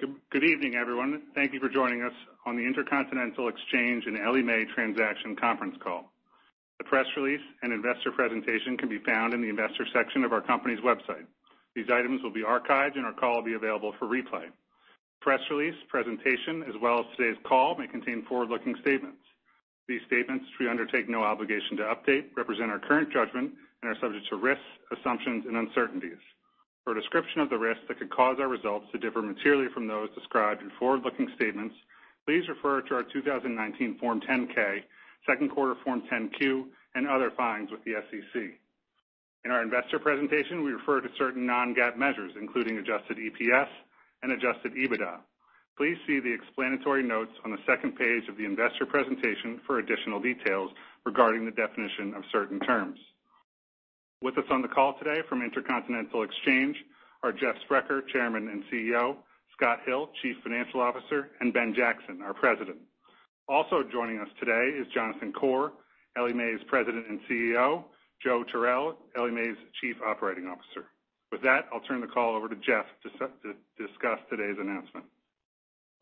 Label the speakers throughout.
Speaker 1: Good evening, everyone. Thank you for joining us on the Intercontinental Exchange and Ellie Mae transaction conference call. The press release and investor presentation can be found in the Investor section of our company's website. These items will be archived and our call will be available for replay. Press release presentation, as well as today's call, may contain forward-looking statements. These statements, which we undertake no obligation to update, represent our current judgment and are subject to risks, assumptions and uncertainties. For a description of the risks that could cause our results to differ materially from those described in forward-looking statements, please refer to our 2019 Form 10-K, second quarter Form 10-Q and other filings with the SEC. In our investor presentation, we refer to certain non-GAAP measures, including adjusted EPS and adjusted EBITDA. Please see the explanatory notes on the second page of the investor presentation for additional details regarding the definition of certain terms. With us on the call today from Intercontinental Exchange are Jeff Sprecher, Chairman and CEO, Scott Hill, Chief Financial Officer, and Ben Jackson, our President. Also joining us today is Jonathan Corr, Ellie Mae's President and CEO, Joe Tyrrell, Ellie Mae's Chief Operating Officer. With that, I'll turn the call over to Jeff to discuss today's announcement.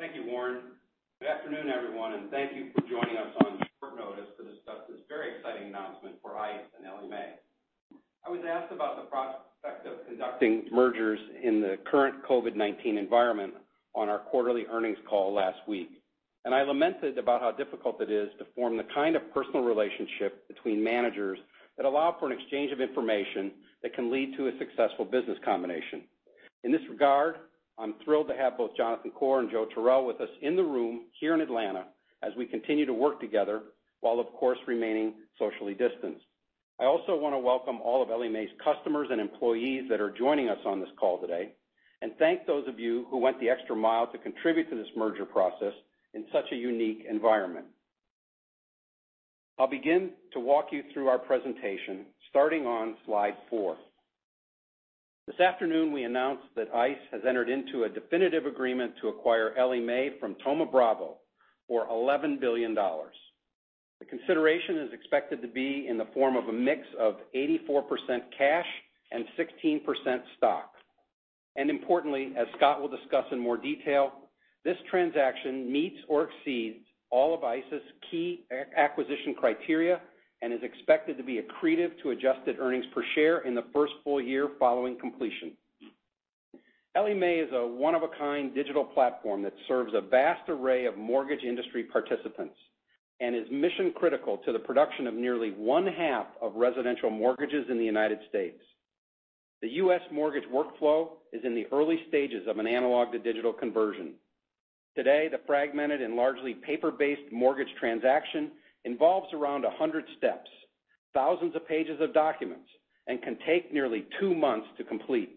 Speaker 2: Thank you, Warren. Good afternoon, everyone, and thank you for joining us on short notice to discuss this very exciting announcement for ICE and Ellie Mae. I was asked about the prospect of conducting mergers in the current COVID-19 environment on our quarterly earnings call last week, and I lamented about how difficult it is to form the kind of personal relationship between managers that allow for an exchange of information that can lead to a successful business combination. In this regard, I'm thrilled to have both Jonathan Corr and Joe Tyrrell with us in the room here in Atlanta as we continue to work together while, of course, remaining socially distanced. I also want to welcome all of Ellie Mae's customers and employees that are joining us on this call today and thank those of you who went the extra mile to contribute to this merger process in such a unique environment. I'll begin to walk you through our presentation starting on Slide four. This afternoon, we announced that ICE has entered into a definitive agreement to acquire Ellie Mae from Thoma Bravo for $11 billion. The consideration is expected to be in the form of a mix of 84% cash and 16% stock. Importantly, as Scott will discuss in more detail, this transaction meets or exceeds all of ICE's key acquisition criteria and is expected to be accretive to adjusted earnings per share in the first full-year following completion. Ellie Mae is a one-of-a-kind digital platform that serves a vast array of mortgage industry participants and is mission-critical to the production of nearly 1.5 of residential mortgages in the U.S. The U.S. mortgage workflow is in the early stages of an analog-to-digital conversion. Today, the fragmented and largely paper-based mortgage transaction involves around 100 steps, thousands of pages of documents, and can take nearly two months to complete.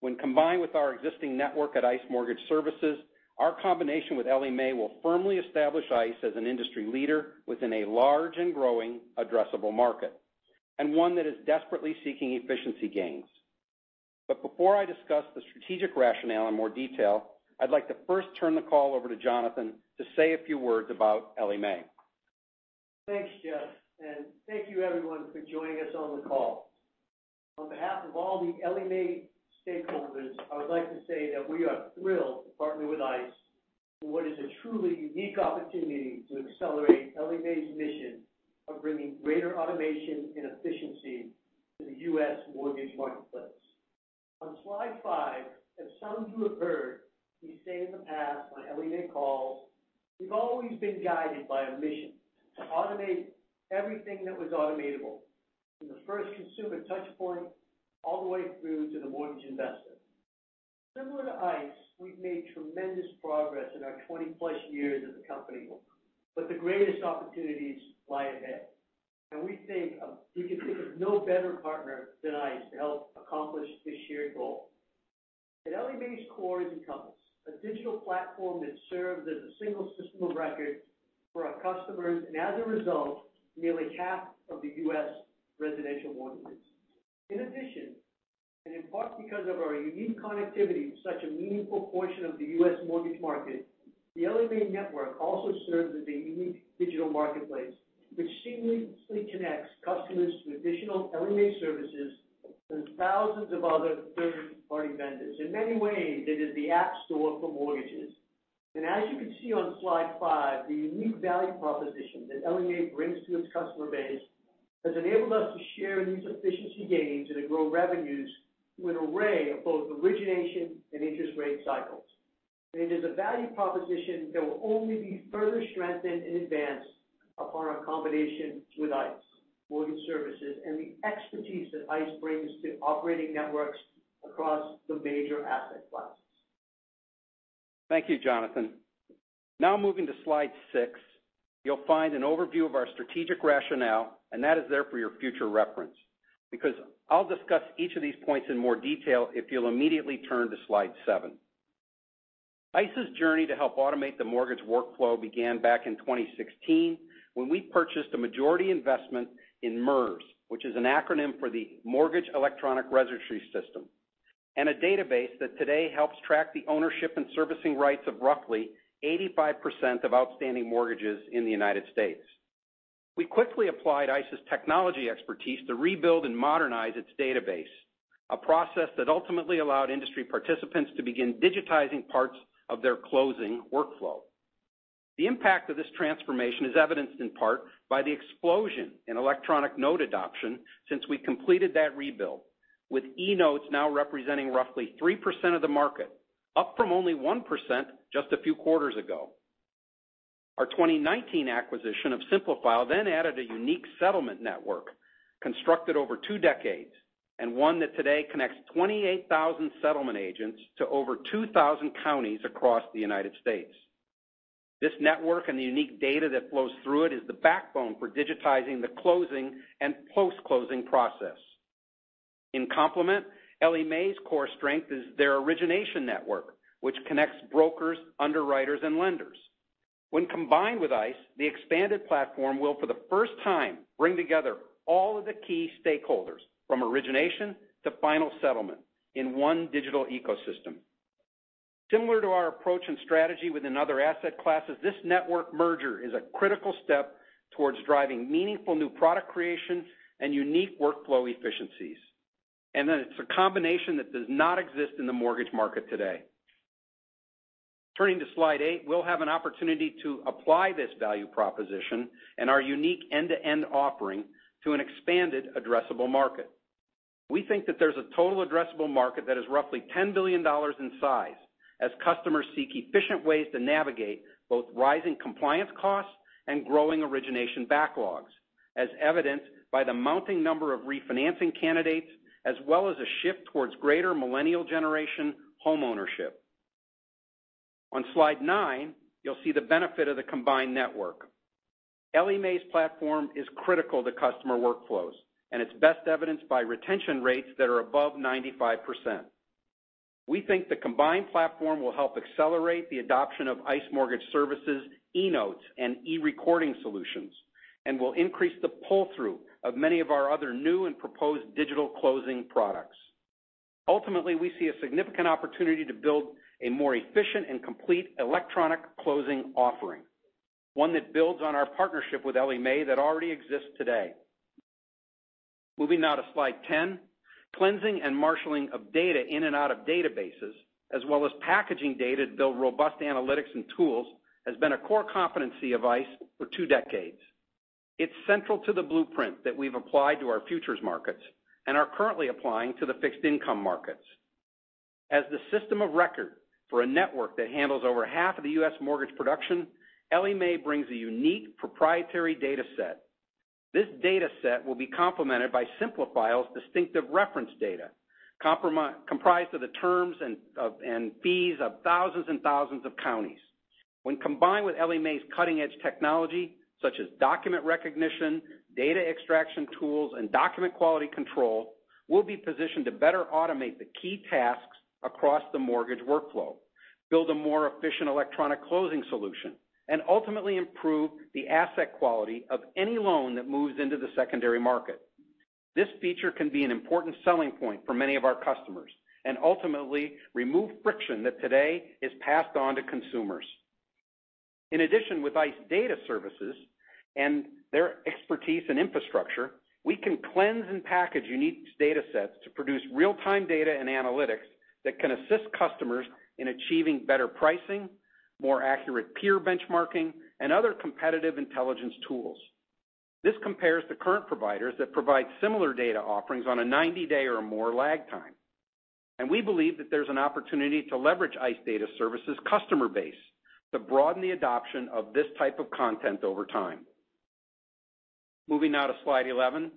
Speaker 2: When combined with our existing network at ICE Mortgage Technology, our combination with Ellie Mae will firmly establish ICE as an industry leader within a large and growing addressable market, and one that is desperately seeking efficiency gains. Before I discuss the strategic rationale in more detail, I'd like to first turn the call over to Jonathan to say a few words about Ellie Mae.
Speaker 3: Thanks, Jeff, and thank you, everyone, for joining us on the call. On behalf of all the Ellie Mae stakeholders, I would like to say that we are thrilled to partner with ICE in what is a truly unique opportunity to accelerate Ellie Mae's mission of bringing greater automation and efficiency to the U.S. mortgage marketplace. On Slide five, as some of you have heard me say in the past on Ellie Mae calls, we've always been guided by a mission to automate everything that was automatable, from the first consumer touchpoint all the way through to the mortgage investor. Similar to ICE, we've made tremendous progress in our 20+ years as a company. The greatest opportunities lie ahead. We think we could think of no better partner than ICE to help accomplish this shared goal. At Ellie Mae's core is a Encompass, a digital platform that serves as a single system of record for our customers, and as a result, nearly half of the U.S. residential mortgages. In addition, and in part because of our unique connectivity with such a meaningful portion of the U.S. mortgage market, the Ellie Mae network also serves as a unique digital marketplace, which seamlessly connects customers to additional Ellie Mae services and thousands of other third-party vendors. In many ways, it is the App Store for mortgages. As you can see on Slide five, the unique value proposition that Ellie Mae brings to its customer base has enabled us to share in these efficiency gains and to grow revenues through an array of both origination and interest rate cycles. It is a value proposition that will only be further strengthened in advance upon our combination with ICE Mortgage Technology and the expertise that ICE brings to operating networks across the major asset classes.
Speaker 2: Thank you, Jonathan. Now moving to Slide six, you'll find an overview of our strategic rationale, and that is there for your future reference because I'll discuss each of these points in more detail if you'll immediately turn to Slide seven. ICE's journey to help automate the mortgage workflow began back in 2016 when we purchased a majority investment in MERS, which is an acronym for the Mortgage Electronic Registration Systems, and a database that today helps track the ownership and servicing rights of roughly 85% of outstanding mortgages in the U.S. We quickly applied ICE's technology expertise to rebuild and modernize its database, a process that ultimately allowed industry participants to begin digitizing parts of their closing workflow. The impact of this transformation is evidenced in part by the explosion in electronic note adoption since we completed that rebuild, with eNotes now representing roughly 3% of the market, up from only 1% just a few quarters ago. Our 2019 acquisition of Simplifile then added a unique settlement network constructed over two decades, and one that today connects 28,000 settlement agents to over 2,000 counties across the United States. This network and the unique data that flows through it is the backbone for digitizing the closing and post-closing process. In complement, Ellie Mae's core strength is their origination network, which connects brokers, underwriters, and lenders. When combined with ICE, the expanded platform will, for the first time, bring together all of the key stakeholders from origination to final settlement in one digital ecosystem. Similar to our approach and strategy with another asset classes, this network merger is a critical step towards driving meaningful new product creation and unique workflow efficiencies. That it's a combination that does not exist in the mortgage market today. Turning to Slide eight, we'll have an opportunity to apply this value proposition and our unique end-to-end offering to an expanded addressable market. We think that there's a total addressable market that is roughly $10 billion in size as customers seek efficient ways to navigate both rising compliance costs and growing origination backlogs, as evidenced by the mounting number of refinancing candidates, as well as a shift towards greater millennial generation homeownership. On Slide nine, you'll see the benefit of the combined network. Ellie Mae's platform is critical to customer workflows, and it's best evidenced by retention rates that are above 95%. We think the combined platform will help accelerate the adoption of ICE Mortgage Services, eNotes, and eRecording solutions, and will increase the pull-through of many of our other new and proposed digital closing products. Ultimately, we see a significant opportunity to build a more efficient and complete electronic closing offering, one that builds on our partnership with Ellie Mae that already exists today. Moving now to Slide 10. Cleansing and marshaling of data in and out of databases, as well as packaging data to build robust analytics and tools, has been a core competency of ICE for two decades. It's central to the blueprint that we've applied to our futures markets and are currently applying to the fixed income markets. As the system of record for a network that handles over half of the U.S. mortgage production, Ellie Mae brings a unique proprietary data set. This data set will be complemented by Simplifile's distinctive reference data, comprised of the terms and fees of thousands and thousands of counties. When combined with Ellie Mae's cutting-edge technology such as document recognition, data extraction tools, and document quality control, we'll be positioned to better automate the key tasks across the mortgage workflow, build a more efficient electronic closing solution, and ultimately improve the asset quality of any loan that moves into the secondary market. This feature can be an important selling point for many of our customers and ultimately remove friction that today is passed on to consumers. With ICE Data Services and their expertise and infrastructure, we can cleanse and package unique data sets to produce real-time data and analytics that can assist customers in achieving better pricing, more accurate peer benchmarking, and other competitive intelligence tools. This compares to current providers that provide similar data offerings on a 90-day or more lag time. We believe that there's an opportunity to leverage ICE Data Services' customer base to broaden the adoption of this type of content over time. Moving now to Slide 11.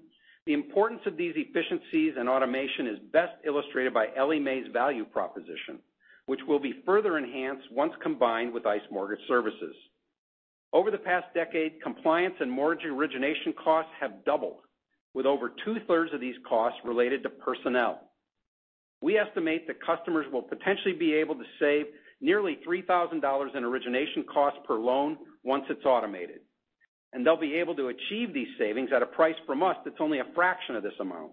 Speaker 2: The importance of these efficiencies and automation is best illustrated by Ellie Mae's value proposition, which will be further enhanced once combined with ICE Mortgage Technology. Over the past decade, compliance and mortgage origination costs have doubled, with over two-thirds of these costs related to personnel. We estimate that customers will potentially be able to save nearly $3,000 in origination costs per loan once it's automated, and they'll be able to achieve these savings at a price from us that's only a fraction of this amount.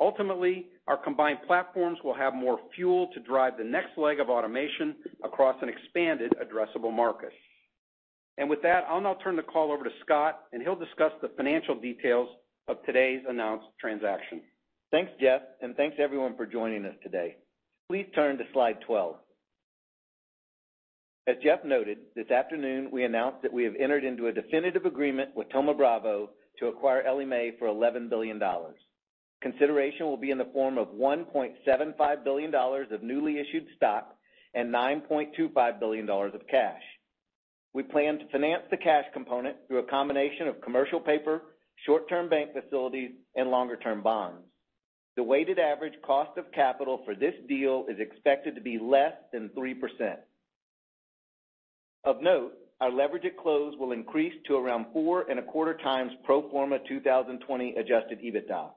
Speaker 2: Ultimately, our combined platforms will have more fuel to drive the next leg of automation across an expanded addressable market. With that, I'll now turn the call over to Scott and he'll discuss the financial details of today's announced transaction.
Speaker 4: Thanks, Jeff, and thanks everyone for joining us today. Please turn to Slide 12. As Jeff noted, this afternoon, we announced that we have entered into a definitive agreement with Thoma Bravo to acquire Ellie Mae for $11 billion. Consideration will be in the form of $1.75 billion of newly issued stock and $9.25 billion of cash. We plan to finance the cash component through a combination of commercial paper, short-term bank facilities, and longer-term bonds. The weighted average cost of capital for this deal is expected to be less than 3%. Of note, our leverage at close will increase to around 4.25x pro forma 2020 adjusted EBITDA.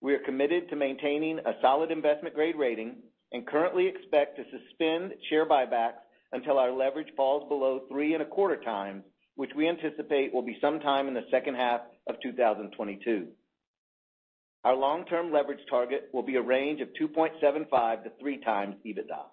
Speaker 4: We are committed to maintaining a solid investment-grade rating and currently expect to suspend share buyback until our leverage falls below three and a quarter times, which we anticipate will be sometime in the second half of 2022. Our long-term leverage target will be a range of 2.75x-3x EBITDA.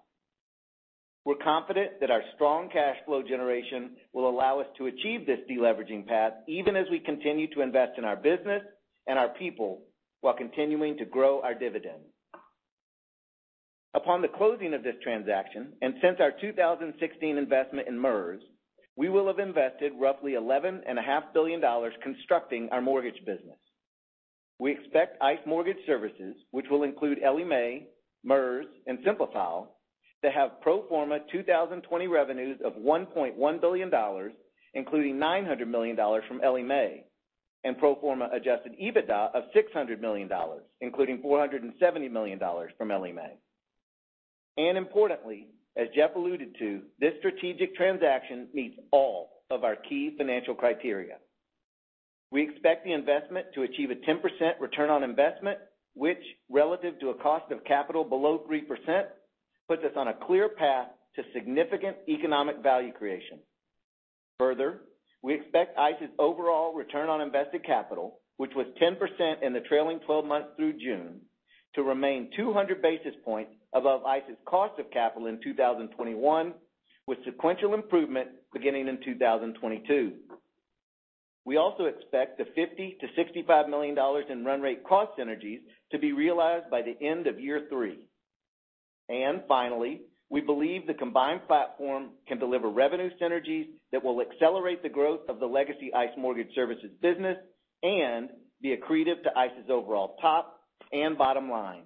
Speaker 4: We're confident that our strong cash flow generation will allow us to achieve this deleveraging path, even as we continue to invest in our business and our people while continuing to grow our dividend. Upon the closing of this transaction, and since our 2016 investment in MERS, we will have invested roughly $11.5 billion constructing our mortgage business. We expect ICE Mortgage Technology, which will include Ellie Mae, MERS, and Simplifile, to have pro forma 2020 revenues of $1.1 billion, including $900 million from Ellie Mae, and pro forma adjusted EBITDA of $600 million, including $470 million from Ellie Mae. Importantly, as Jeff alluded to, this strategic transaction meets all of our key financial criteria. We expect the investment to achieve a 10% return on investment, which relative to a cost of capital below 3%, puts us on a clear path to significant economic value creation. Further, we expect ICE's overall return on invested capital, which was 10% in the trailing 12 months through June, to remain 200 basis points above ICE's cost of capital in 2021, with sequential improvement beginning in 2022. We also expect the $50 to $65 million in run rate cost synergies to be realized by the end of year three. Finally, we believe the combined platform can deliver revenue synergies that will accelerate the growth of the legacy ICE Mortgage Technology business and be accretive to ICE's overall top and bottom line.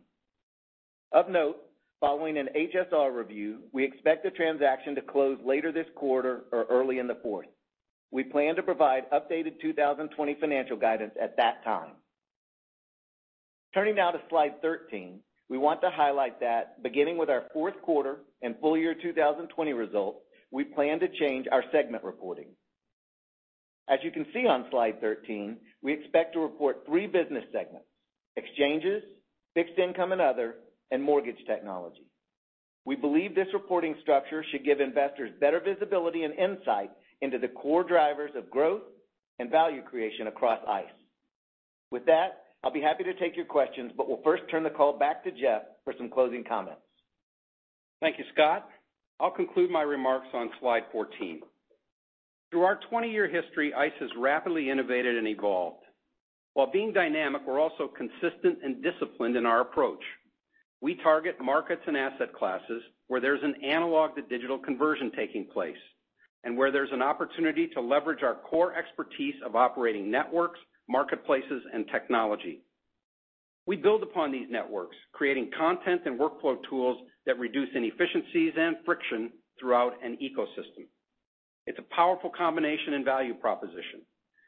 Speaker 4: Of note, following an HSR review, we expect the transaction to close later this quarter or early in the fourth. We plan to provide updated 2020 financial guidance at that time. Turning now to Slide 13, we want to highlight that beginning with our fourth quarter and full-year 2020 results, we plan to change our segment reporting. As you can see on Slide 13, we expect to report three business segments, Exchanges, Fixed Income and Other, and Mortgage Technology. We believe this reporting structure should give investors better visibility and insight into the core drivers of growth and value creation across ICE. With that, I'll be happy to take your questions, but we'll first turn the call back to Jeff for some closing comments.
Speaker 2: Thank you, Scott. I'll conclude my remarks on Slide 14. Through our 20-year history, ICE has rapidly innovated and evolved. While being dynamic, we're also consistent and disciplined in our approach. We target markets and asset classes where there's an analog to digital conversion taking place, and where there's an opportunity to leverage our core expertise of operating networks, marketplaces, and technology. We build upon these networks, creating content and workflow tools that reduce inefficiencies and friction throughout an ecosystem. It's a powerful combination and value proposition,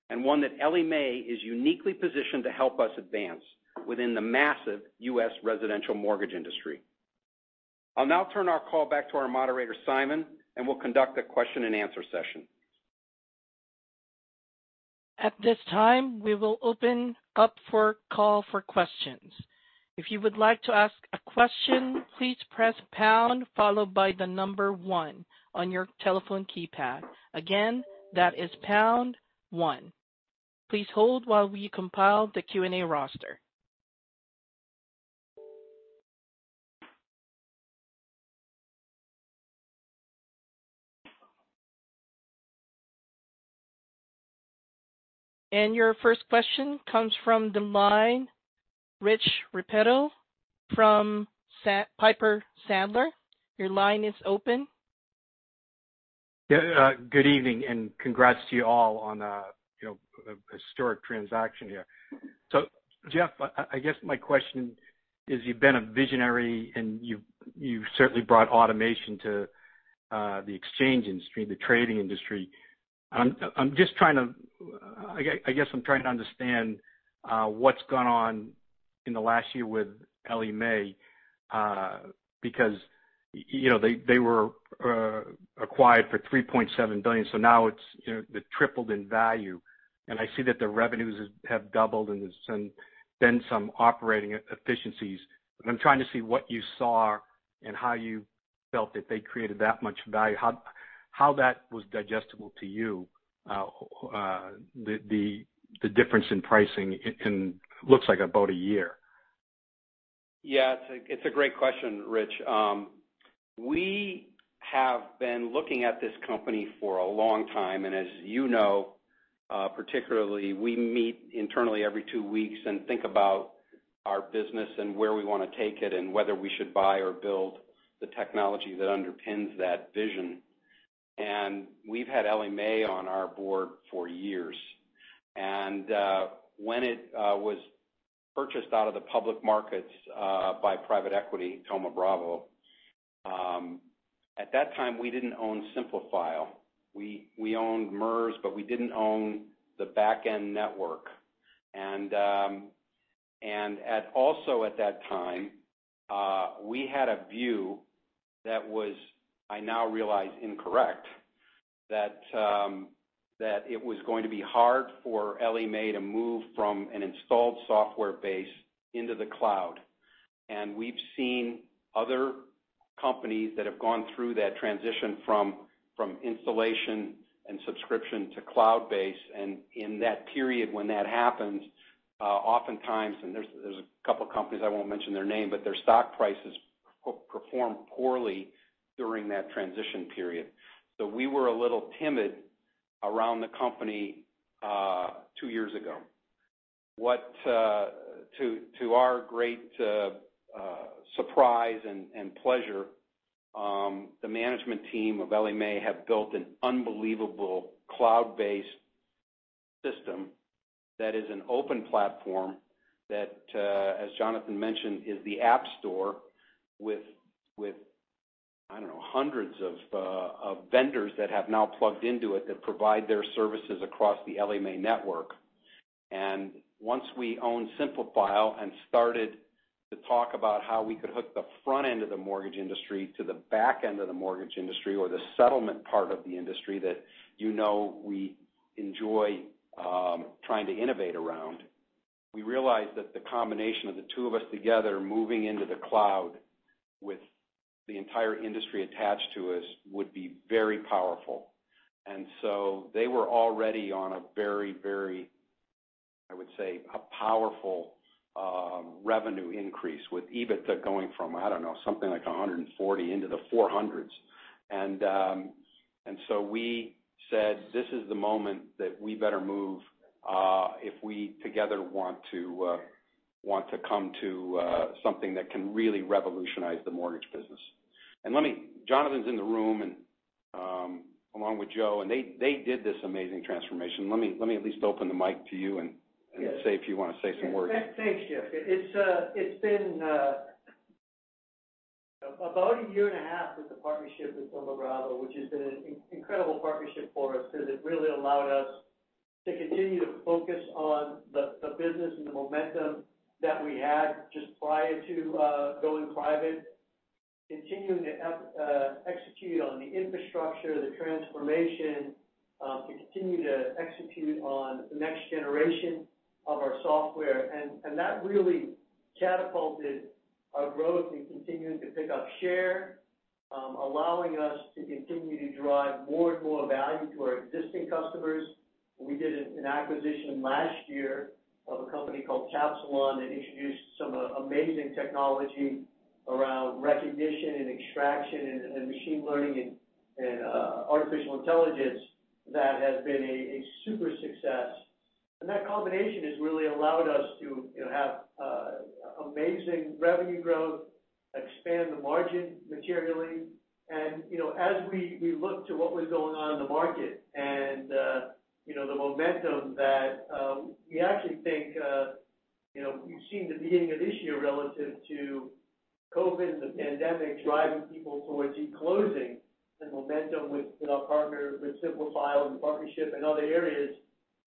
Speaker 2: and one that Ellie Mae is uniquely positioned to help us advance within the massive U.S. residential mortgage industry. I'll now turn our call back to our moderator, Simon, and we'll conduct a question and answer session.
Speaker 5: At this time, we will open up for call for questions. If you would like to ask a question, please press pound followed by the number one on your telephone keypad. Again, that is pound one. Your first question comes from the line, Rich Repetto from Piper Sandler.
Speaker 6: Yeah. Good evening, and congrats to you all on a historic transaction here. Jeff, I guess my question is, you've been a visionary, and you've certainly brought automation to the exchange industry, the trading industry. I guess I'm trying to understand what's gone on in the last year with Ellie Mae, because they were acquired for $3.7 billion. Now it's tripled in value, and I see that the revenues have doubled and there's been some operating efficiencies. I'm trying to see what you saw, and how you felt that they created that much value, how that was digestible to you, the difference in pricing in looks like about a year.
Speaker 2: Yeah. It's a great question, Rich. As you know, particularly, we meet internally every two weeks and think about our business and where we want to take it, and whether we should buy or build the technology that underpins that vision. We've had Ellie Mae on our board for years. When it was purchased out of the public markets by private equity, Thoma Bravo, at that time, we didn't own Simplifile. We owned MERS, but we didn't own the back-end network. Also at that time, we had a view that was, I now realize, incorrect, that it was going to be hard for Ellie Mae to move from an installed software base into the cloud. We've seen other companies that have gone through that transition from installation and subscription to cloud-based. In that period when that happens, oftentimes, and there's a couple of companies, I won't mention their name, but their stock prices performed poorly during that transition period. We were a little timid around the company two years ago. To our great surprise and pleasure, the management team of Ellie Mae have built an unbelievable cloud-based system that is an open platform that, as Jonathan mentioned, is the App Store with, I don't know, hundreds of vendors that have now plugged into it that provide their services across the Ellie Mae network. Once we owned Simplifile and started to talk about how we could hook the front end of the mortgage industry to the back end of the mortgage industry or the settlement part of the industry that you know we enjoy trying to innovate around, we realized that the combination of the two of us together moving into the cloud with the entire industry attached to us would be very powerful. They were already on a very, I would say, a powerful revenue increase with EBITDA going from, I don't know, something like $140 into the $400s. We said, This is the moment that we better move, if we together want to come to something that can really revolutionize the mortgage business. Jonathan's in the room and along with Joe, and they did this amazing transformation. Let me at least open the mic to you.
Speaker 3: Yes
Speaker 2: say if you want to say some words.
Speaker 3: Thanks, Jeff. It's been about a year and a half with the partnership with Thoma Bravo, which has been an incredible partnership for us because it really allowed us to continue to focus on the business and the momentum that we had just prior to going private, continuing to execute on the infrastructure, the transformation, to continue to execute on the next generation of our software. That really catapulted our growth and continuing to pick up share, allowing us to continue to drive more and more value to our existing customers. We did an acquisition last year of a company called Capsilon that introduced some amazing technology around recognition and extraction and machine learning and artificial intelligence that has been a super success. That combination has really allowed us to have amazing revenue growth, expand the margin materially. As we look to what was going on in the market and the momentum that we actually think, you've seen the beginning of this year relative to COVID, the pandemic, driving people towards e-closing and momentum with our partner, with Simplifile and partnership in other areas.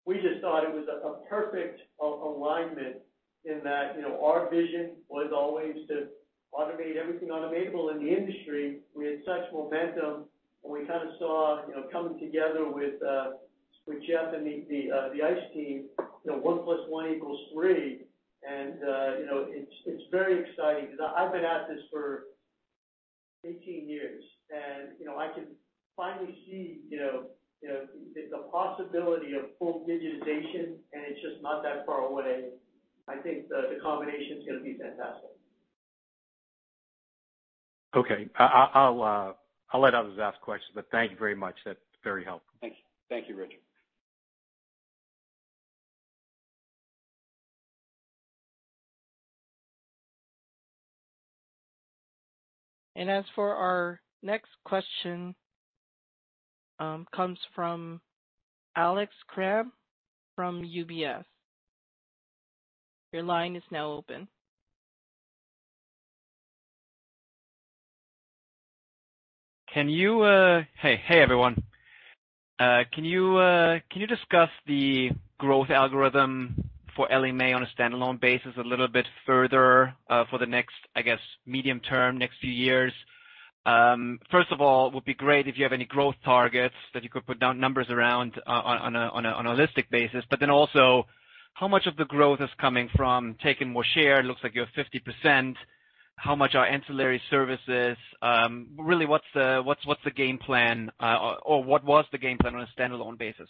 Speaker 3: We just thought it was a perfect alignment in that our vision was always to automate everything automatable in the industry. We had such momentum when we kind of saw, coming together with Jeff and the ICE team, one plus one equals three. It's very exciting because I've been at this for 18 years, and I can finally see the possibility of full digitization, and it's just not that far away. I think the combination is going to be fantastic.
Speaker 6: Okay. I'll let others ask questions, but thank you very much. That's very helpful.
Speaker 3: Thank you.
Speaker 2: Thank you, Rich.
Speaker 5: As for our next question, comes from Alex Kramm from UBS. Your line is now open.
Speaker 7: Hey, everyone. Can you discuss the growth algorithm for Ellie Mae on a standalone basis a little bit further for the next, I guess, medium term, next few years? First of all, it would be great if you have any growth targets that you could put numbers around on an holistic basis. Also, how much of the growth is coming from taking more share? It looks like you have 50%. How much are ancillary services? Really, what's the game plan, or what was the game plan on a standalone basis?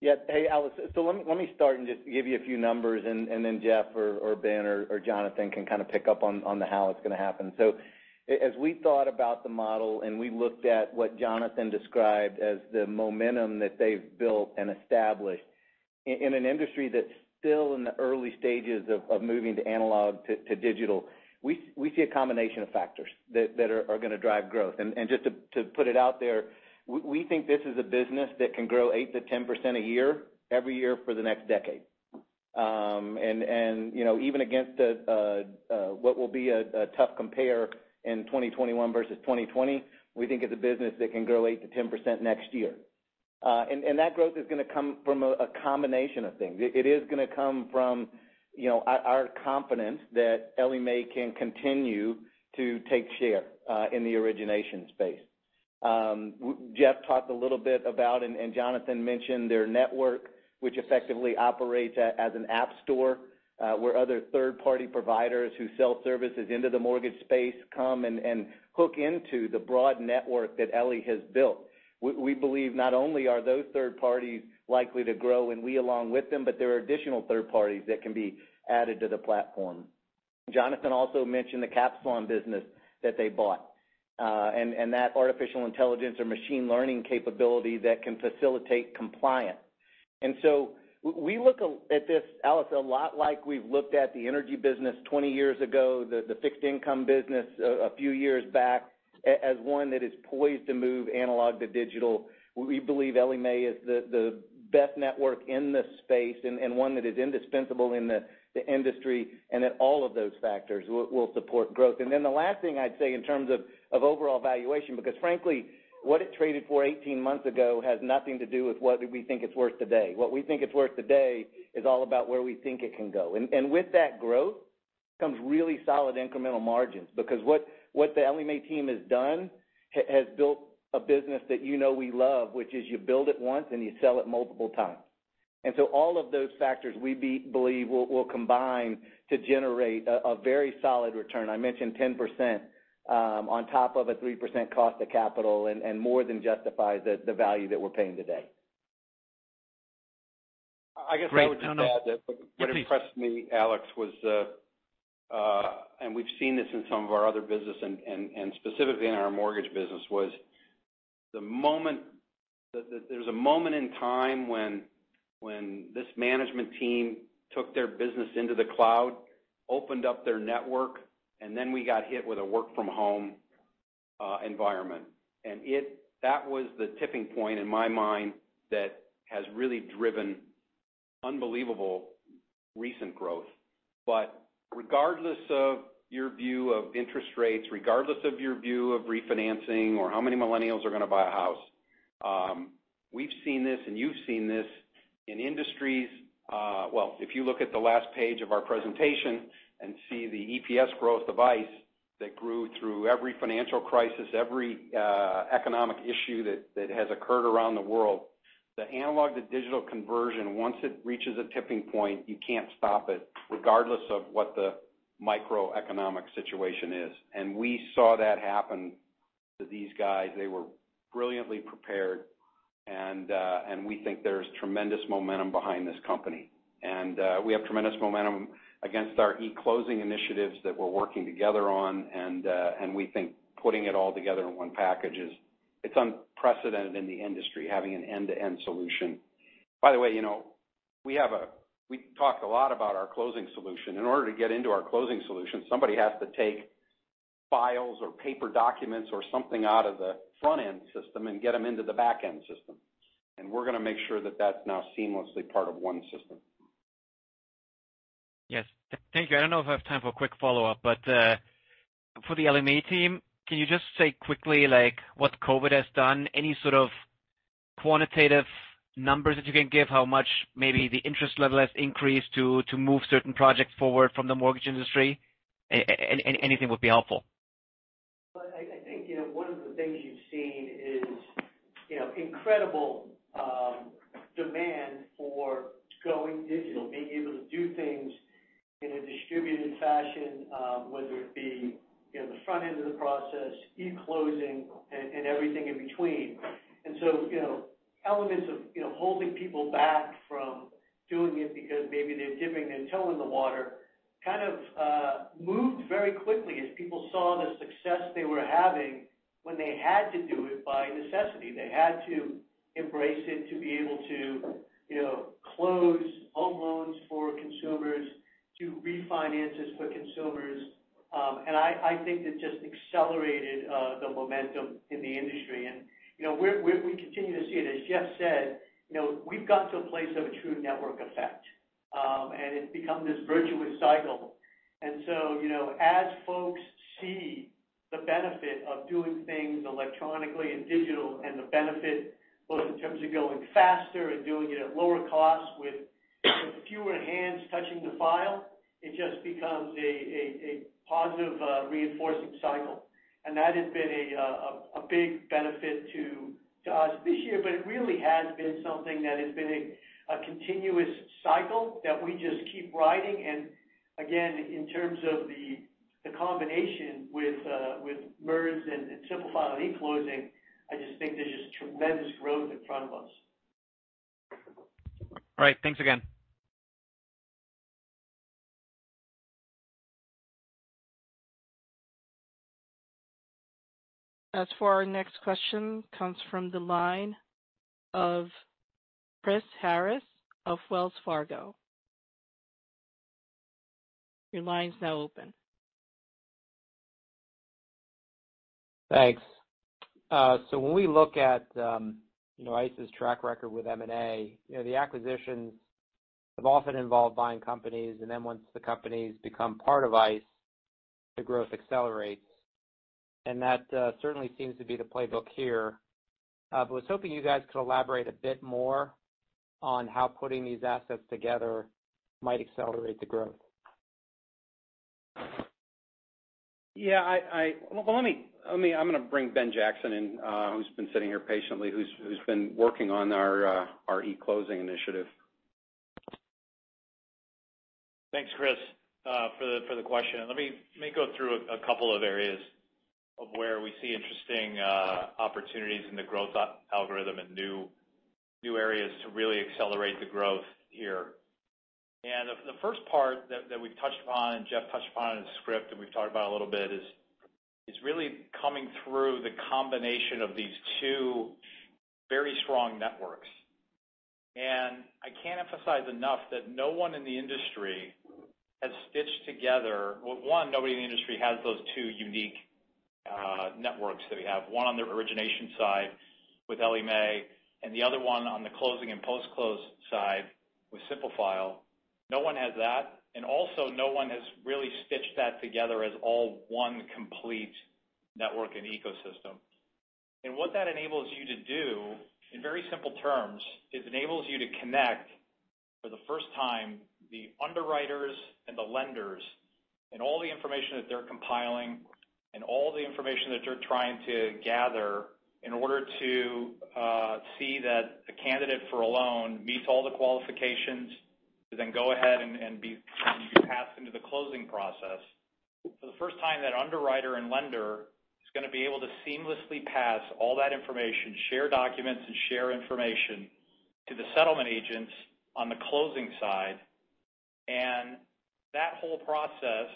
Speaker 2: Yeah. Hey, Alex. Let me start and just give you a few numbers, and then Jeff or Ben or Jonathan can kind of pick up on the how it's going to happen. As we thought about the model and we looked at what Jonathan described as the momentum that they've built and established in an industry that's still in the early stages of moving to analog to digital, we see a combination of factors that are going to drive growth. Just to put it out there, we think this is a business that can grow 8%-10% a year every year for the next decade. Even against what will be a tough compare in 2021 versus 2020, we think it's a business that can grow 8%-10% next year. That growth is going to come from a combination of things. It is going to come from our confidence that Ellie Mae can continue to take share in the origination space.
Speaker 4: Jeff talked a little bit about, and Jonathan mentioned their network, which effectively operates as an app store where other third-party providers who sell services into the mortgage space come and hook into the broad network that Ellie has built. We believe not only are those third parties likely to grow and we along with them, but there are additional third parties that can be added to the platform. Jonathan also mentioned the Capsilon business that they bought, and that artificial intelligence or machine learning capability that can facilitate compliance. We look at this, Alex, a lot like we've looked at the energy business 20 years ago, the fixed income business a few years back, as one that is poised to move analog to digital. We believe Ellie Mae is the best network in this space, and one that is indispensable in the industry, and that all of those factors will support growth. Then the last thing I'd say in terms of overall valuation, because frankly, what it traded for 18 months ago has nothing to do with what we think it's worth today. What we think it's worth today is all about where we think it can go. With that growth comes really solid incremental margins. Because what the Ellie Mae team has done has built a business that you know we love, which is you build it once and you sell it multiple times. So all of those factors, we believe will combine to generate a very solid return. I mentioned 10% on top of a 3% cost of capital and more than justifies the value that we're paying today.
Speaker 7: Great. [Tony], please.
Speaker 2: I guess I would just add that what impressed me, Alex, was, and we've seen this in some of our other business and specifically in our mortgage business, was there's a moment in time when this management team took their business into the cloud, opened up their network, and then we got hit with a work from home environment. That was the tipping point in my mind that has really driven unbelievable recent growth. Regardless of your view of interest rates, regardless of your view of refinancing or how many millennials are going to buy a house, we've seen this, and you've seen this in industries. If you look at the last page of our presentation and see the EPS growth of ICE that grew through every financial crisis, every economic issue that has occurred around the world. The analog to digital conversion, once it reaches a tipping point, you can't stop it regardless of what the macroeconomic situation is. We saw that happen to these guys. They were brilliantly prepared, and we think there's tremendous momentum behind this company. We have tremendous momentum against our e-closing initiatives that we're working together on. We think putting it all together in one package is unprecedented in the industry, having an end-to-end solution. By the way, we talked a lot about our closing solution. In order to get into our closing solution, somebody has to take files or paper documents or something out of the front-end system and get them into the back-end system. We're going to make sure that that's now seamlessly part of one system.
Speaker 7: Yes. Thank you. I don't know if I have time for a quick follow-up, but for the Ellie Mae team, can you just say quickly, what COVID has done? Any sort of quantitative numbers that you can give, how much maybe the interest level has increased to move certain projects forward from the mortgage industry? Anything would be helpful.
Speaker 3: Well, I think one of the things you've seen is incredible demand for going digital, being able to do things in a distributed fashion, whether it be the front end of the process, e-closing, and everything in between. Elements of holding people back from doing it because maybe they're dipping their toe in the water kind of moved very quickly as people saw the success they were having when they had to do it by necessity. They had to embrace it to be able to close home loans for consumers, do refinances for consumers. I think it just accelerated the momentum in the industry. We continue to see it. As Jeff said, we've got to a place of a true network effect, and it's become this virtuous cycle. As folks see the benefit of doing things electronically and digital and the benefit both in terms of going faster and doing it at lower cost with fewer hands touching the file, it just becomes a positive reinforcing cycle. That has been a big benefit to us this year. It really has been something that has been a continuous cycle that we just keep riding. Again, in terms of the combination with MERS and Simplifile and e-closing, I just think there's just tremendous growth in front of us.
Speaker 7: All right. Thanks again.
Speaker 5: As for our next question, comes from the line of Chris Harris of Wells Fargo. Your line's now open.
Speaker 8: Thanks. When we look at ICE's track record with M&A, the acquisitions have often involved buying companies, and then once the companies become part of ICE, the growth accelerates, and that certainly seems to be the playbook here. I was hoping you guys could elaborate a bit more on how putting these assets together might accelerate the growth.
Speaker 2: Yeah. I'm going to bring Ben Jackson in, who's been sitting here patiently, who's been working on our e-closing initiative.
Speaker 9: Thanks, Chris, for the question. Let me go through a couple of areas of where we see interesting opportunities in the growth algorithm and new areas to really accelerate the growth here. The first part that we've touched upon, and Jeff touched upon in the script, and we've talked about a little bit, is really coming through the combination of these two very strong networks. I can't emphasize enough that, well, one, nobody in the industry has those two unique networks that we have. One on the origination side with Ellie Mae, and the other one on the closing and post-close side with Simplifile. No one has that. Also, no one has really stitched that together as all one complete network and ecosystem. What that enables you to do, in very simple terms, is enables you to connect for the first time the underwriters and the lenders and all the information that they're compiling and all the information that they're trying to gather in order to see that the candidate for a loan meets all the qualifications to then go ahead and be passed into the closing process. For the first time, that underwriter and lender is going to be able to seamlessly pass all that information, share documents, and share information to the settlement agents on the closing side. That whole process,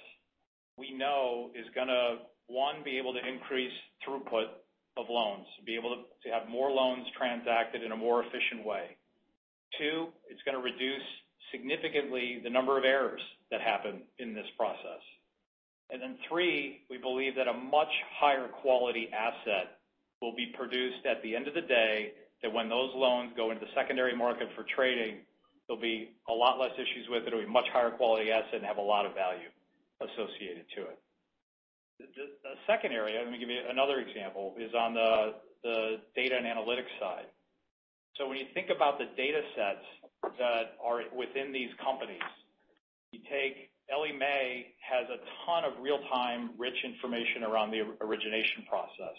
Speaker 9: we know is going to, one, be able to increase throughput of loans, to be able to have more loans transacted in a more efficient way. Two, it's going to reduce significantly the number of errors that happen in this process. Three, we believe that a much higher quality asset will be produced at the end of the day, that when those loans go into the secondary market for trading, there'll be a lot less issues with it. It'll be much higher quality asset and have a lot of value associated to it. The second area, let me give you another example, is on the data and analytics side. When you think about the data sets that are within these companies, you take Ellie Mae has a ton of real-time, rich information around the origination process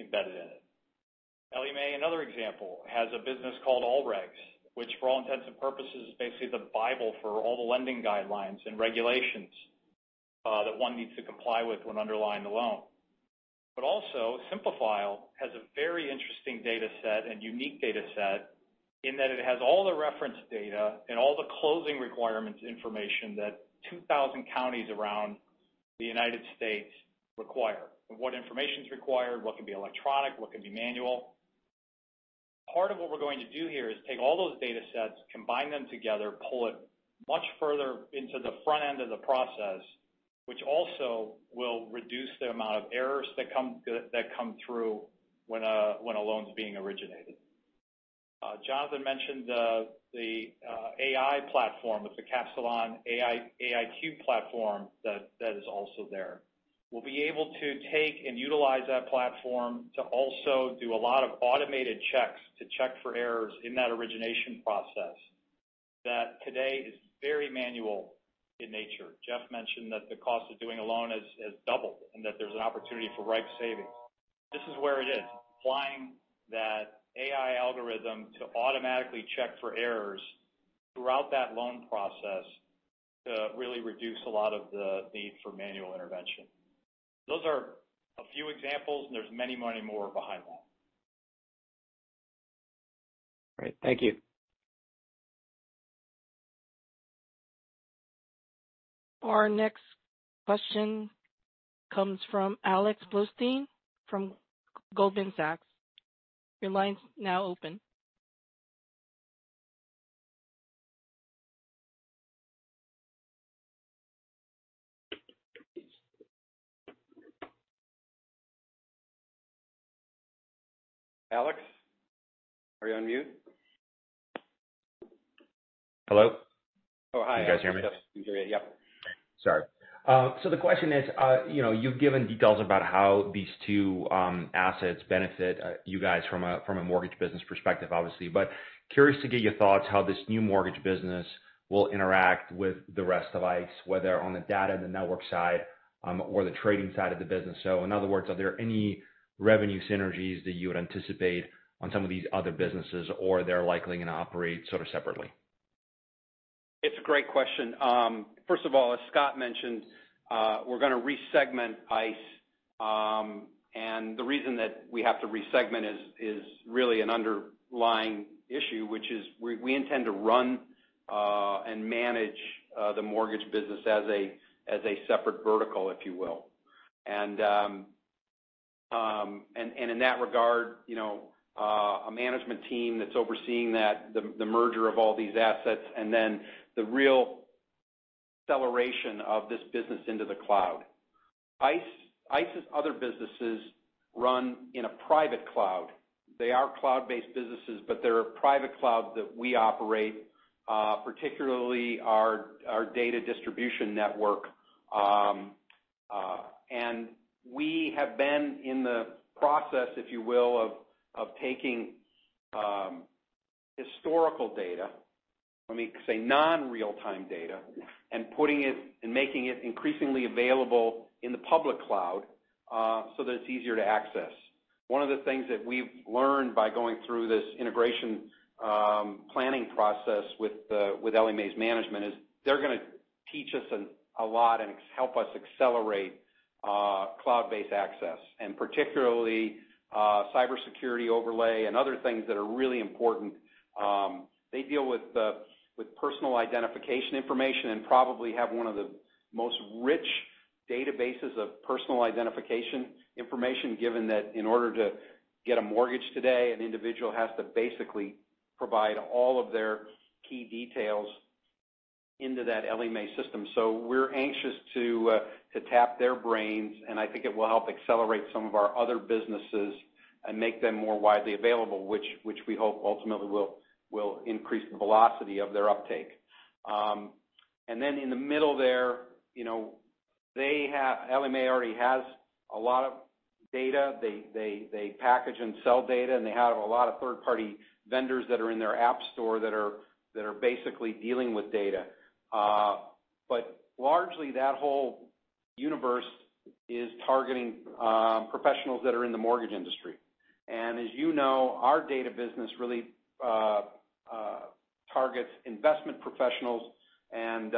Speaker 9: embedded in it. Ellie Mae, another example, has a business called AllRegs, which for all intents and purposes, is basically the bible for all the lending guidelines and regulations that one needs to comply with when underlying the loan. Also, Simplifile has a very interesting data set and unique data set in that it has all the reference data and all the closing requirements information that 2,000 counties around the United States require. What information's required, what can be electronic, what can be manual. Part of what we're going to do here is take all those data sets, combine them together, pull it much further into the front end of the process, which also will reduce the amount of errors that come through when a loan's being originated. Jonathan mentioned the AI platform with the Capsilon AIQ platform that is also there. We'll be able to take and utilize that platform to also do a lot of automated checks to check for errors in that origination process that today is very manual in nature. Jeff mentioned that the cost of doing a loan has doubled, and that there's an opportunity for ripe savings. This is where it is. Applying that AI algorithm to automatically check for errors throughout that loan process to really reduce a lot of the need for manual intervention. Those are a few examples, and there's many more behind that.
Speaker 2: Great. Thank you.
Speaker 5: Our next question comes from Alex Blostein from Goldman Sachs. Your line's now open.
Speaker 9: Alex, are you on mute?
Speaker 10: Hello? Oh, hi. Can you guys hear me?
Speaker 9: We can hear you, yep.
Speaker 10: Sorry. The question is, you've given details about how these two assets benefit you guys from a mortgage business perspective, obviously. Curious to get your thoughts how this new mortgage business will interact with the rest of ICE, whether on the data, the network side or the trading side of the business. In other words, are there any revenue synergies that you would anticipate on some of these other businesses, or they're likely going to operate sort of separately?
Speaker 2: It's a great question. First of all, as Scott mentioned, we're going to re-segment ICE. The reason that we have to re-segment is really an underlying issue, which is we intend to run and manage the Mortgage Technology business as a separate vertical, if you will. In that regard, a management team that's overseeing that, the merger of all these assets, then the real acceleration of this business into the cloud. ICE's other businesses run in a private cloud. They are cloud-based businesses, they're a private cloud that we operate, particularly our data distribution network. We have been in the process, if you will, of taking historical data, let me say non-real-time data, and making it increasingly available in the public cloud so that it's easier to access. One of the things that we've learned by going through this integration planning process with Ellie Mae's management is they're going to teach us a lot and help us accelerate cloud-based access, and particularly cybersecurity overlay and other things that are really important. They deal with personal identification information and probably have one of the most rich databases of personal identification information, given that in order to get a mortgage today, an individual has to basically provide all of their key details into that Ellie Mae system. We're anxious to tap their brains, and I think it will help accelerate some of our other businesses and make them more widely available, which we hope ultimately will increase the velocity of their uptake. In the middle there, Ellie Mae already has a lot of data. They package and sell data, and they have a lot of third-party vendors that are in their app store that are basically dealing with data. Largely, that whole universe is targeting professionals that are in the mortgage industry. As you know, our data business really targets investment professionals and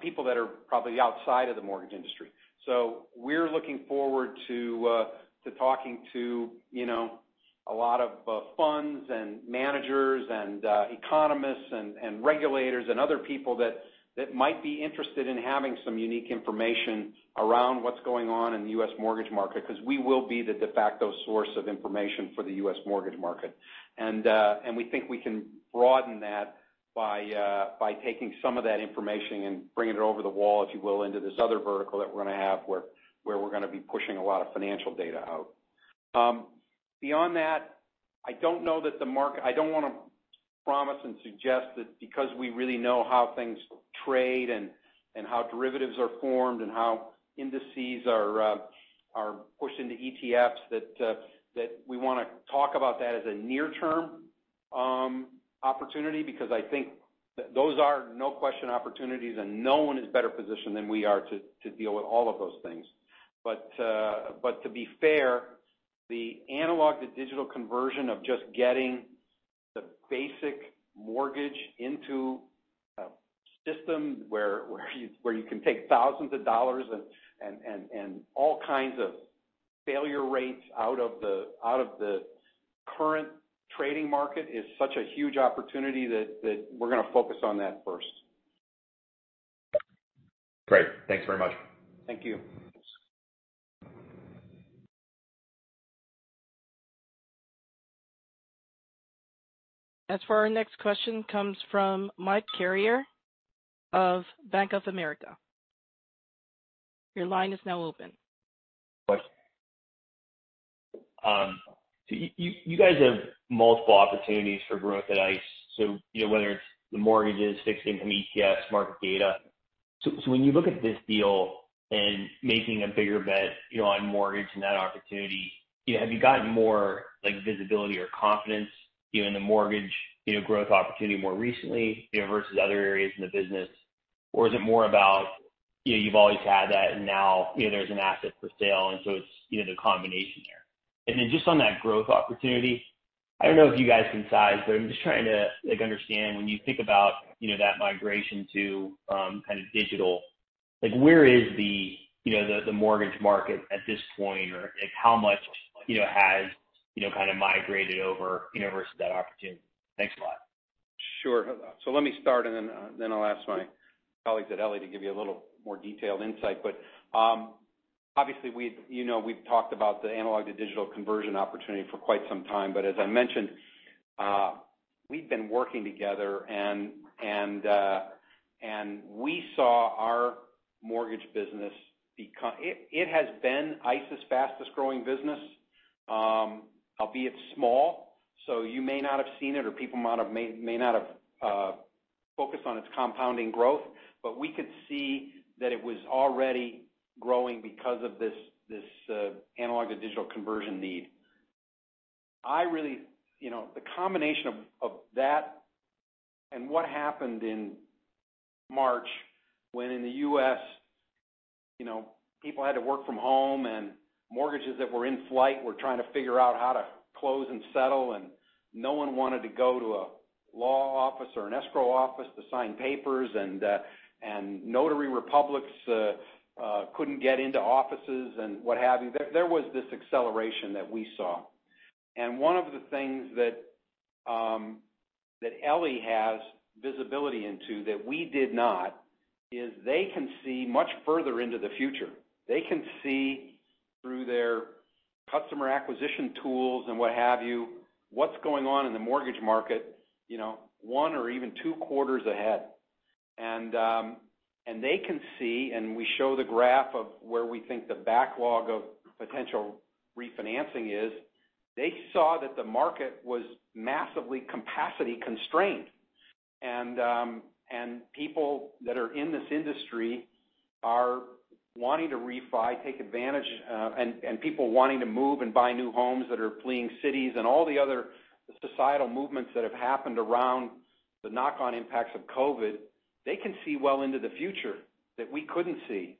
Speaker 2: people that are probably outside of the mortgage industry. We're looking forward to talking to a lot of funds, and managers, and economists, and regulators, and other people that might be interested in having some unique information around what's going on in the U.S. mortgage market because we will be the de facto source of information for the U.S. mortgage market. We think we can broaden that by taking some of that information and bringing it over the wall, if you will, into this other vertical that we're going to have where we're going to be pushing a lot of financial data out. Beyond that, I don't want to promise and suggest that because we really know how things trade and how derivatives are formed and how indices are pushed into ETFs, that we want to talk about that as a near-term opportunity because I think those are no question opportunities and no one is better positioned than we are to deal with all of those things. To be fair, the analog to digital conversion of just getting the basic mortgage into a system where you can take thousands of dollars and all kinds of failure rates out of the current trading market is such a huge opportunity that we're going to focus on that first.
Speaker 10: Great. Thanks very much.
Speaker 2: Thank you.
Speaker 5: As for our next question comes from Mike Carrier of Bank of America. Your line is now open.
Speaker 9: Mike.
Speaker 11: You guys have multiple opportunities for growth at ICE. Whether it's the mortgages, fixed income, ETFs, market data. When you look at this deal and making a bigger bet on mortgage and that opportunity, have you gotten more visibility or confidence in the mortgage growth opportunity more recently versus other areas in the business? Is it more about, you've always had that and now there's an asset for sale and so it's the combination there? Then just on that growth opportunity, I don't know if you guys can size, but I'm just trying to understand when you think about that migration to kind of digital, where is the mortgage market at this point? How much has kind of migrated over versus that opportunity? Thanks a lot.
Speaker 2: Sure. Let me start and then I'll ask my colleagues at Ellie to give you a little more detailed insight. Obviously, we've talked about the analog to digital conversion opportunity for quite some time. As I mentioned, we've been working together and we saw our mortgage business. It has been ICE's fastest growing business, albeit small. You may not have seen it or people may not have focused on its compounding growth. We could see that it was already growing because of this analog to digital conversion need. The combination of that and what happened in March when in the U.S., people had to work from home and mortgages that were in flight were trying to figure out how to close and settle, and no one wanted to go to a law office or an escrow office to sign papers, and notary publics couldn't get into offices and what have you. There was this acceleration that we saw. One of the things that Ellie has visibility into that we did not is they can see much further into the future. They can see through their customer acquisition tools and what have you, what's going on in the mortgage market one or even two quarters ahead. They can see, and we show the graph of where we think the backlog of potential refinancing is. They saw that the market was massively capacity constrained. People that are in this industry are wanting to refi, take advantage, and people wanting to move and buy new homes that are fleeing cities and all the other societal movements that have happened around the knock-on impacts of COVID. They can see well into the future that we couldn't see.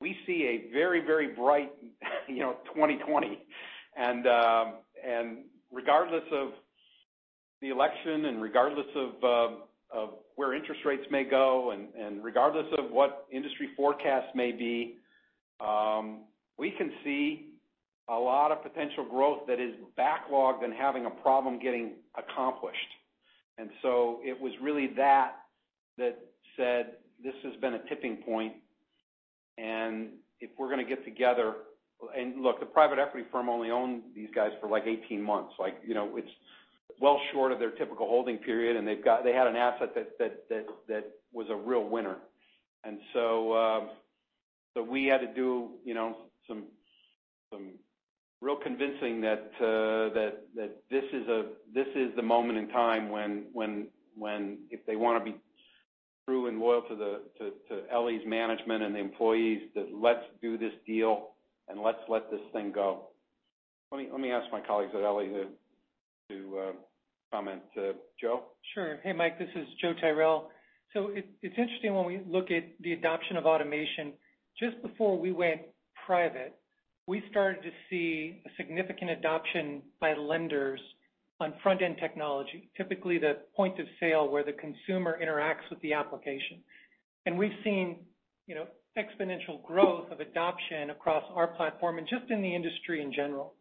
Speaker 2: We see a very bright 2020. Regardless of the election and regardless of where interest rates may go and regardless of what industry forecasts may be, we can see a lot of potential growth that is backlogged and having a problem getting accomplished. It was really that that said this has been a tipping point, and if we're going to get together, and look, the private equity firm only owned these guys for 18 months. It's well short of their typical holding period, and they had an asset that was a real winner. We had to do some real convincing that this is the moment in time when, if they want to be true and loyal to Ellie's management and the employees, that let's do this deal and let's let this thing go. Let me ask my colleagues at Ellie to comment. Joe?
Speaker 12: Sure. Hey, Mike, this is Joe Tyrrell. It's interesting when we look at the adoption of automation. Just before we went private, we started to see a significant adoption by lenders on front-end technology, typically the point of sale where the consumer interacts with the application. We've seen exponential growth of adoption across our platform and just in the industry in general.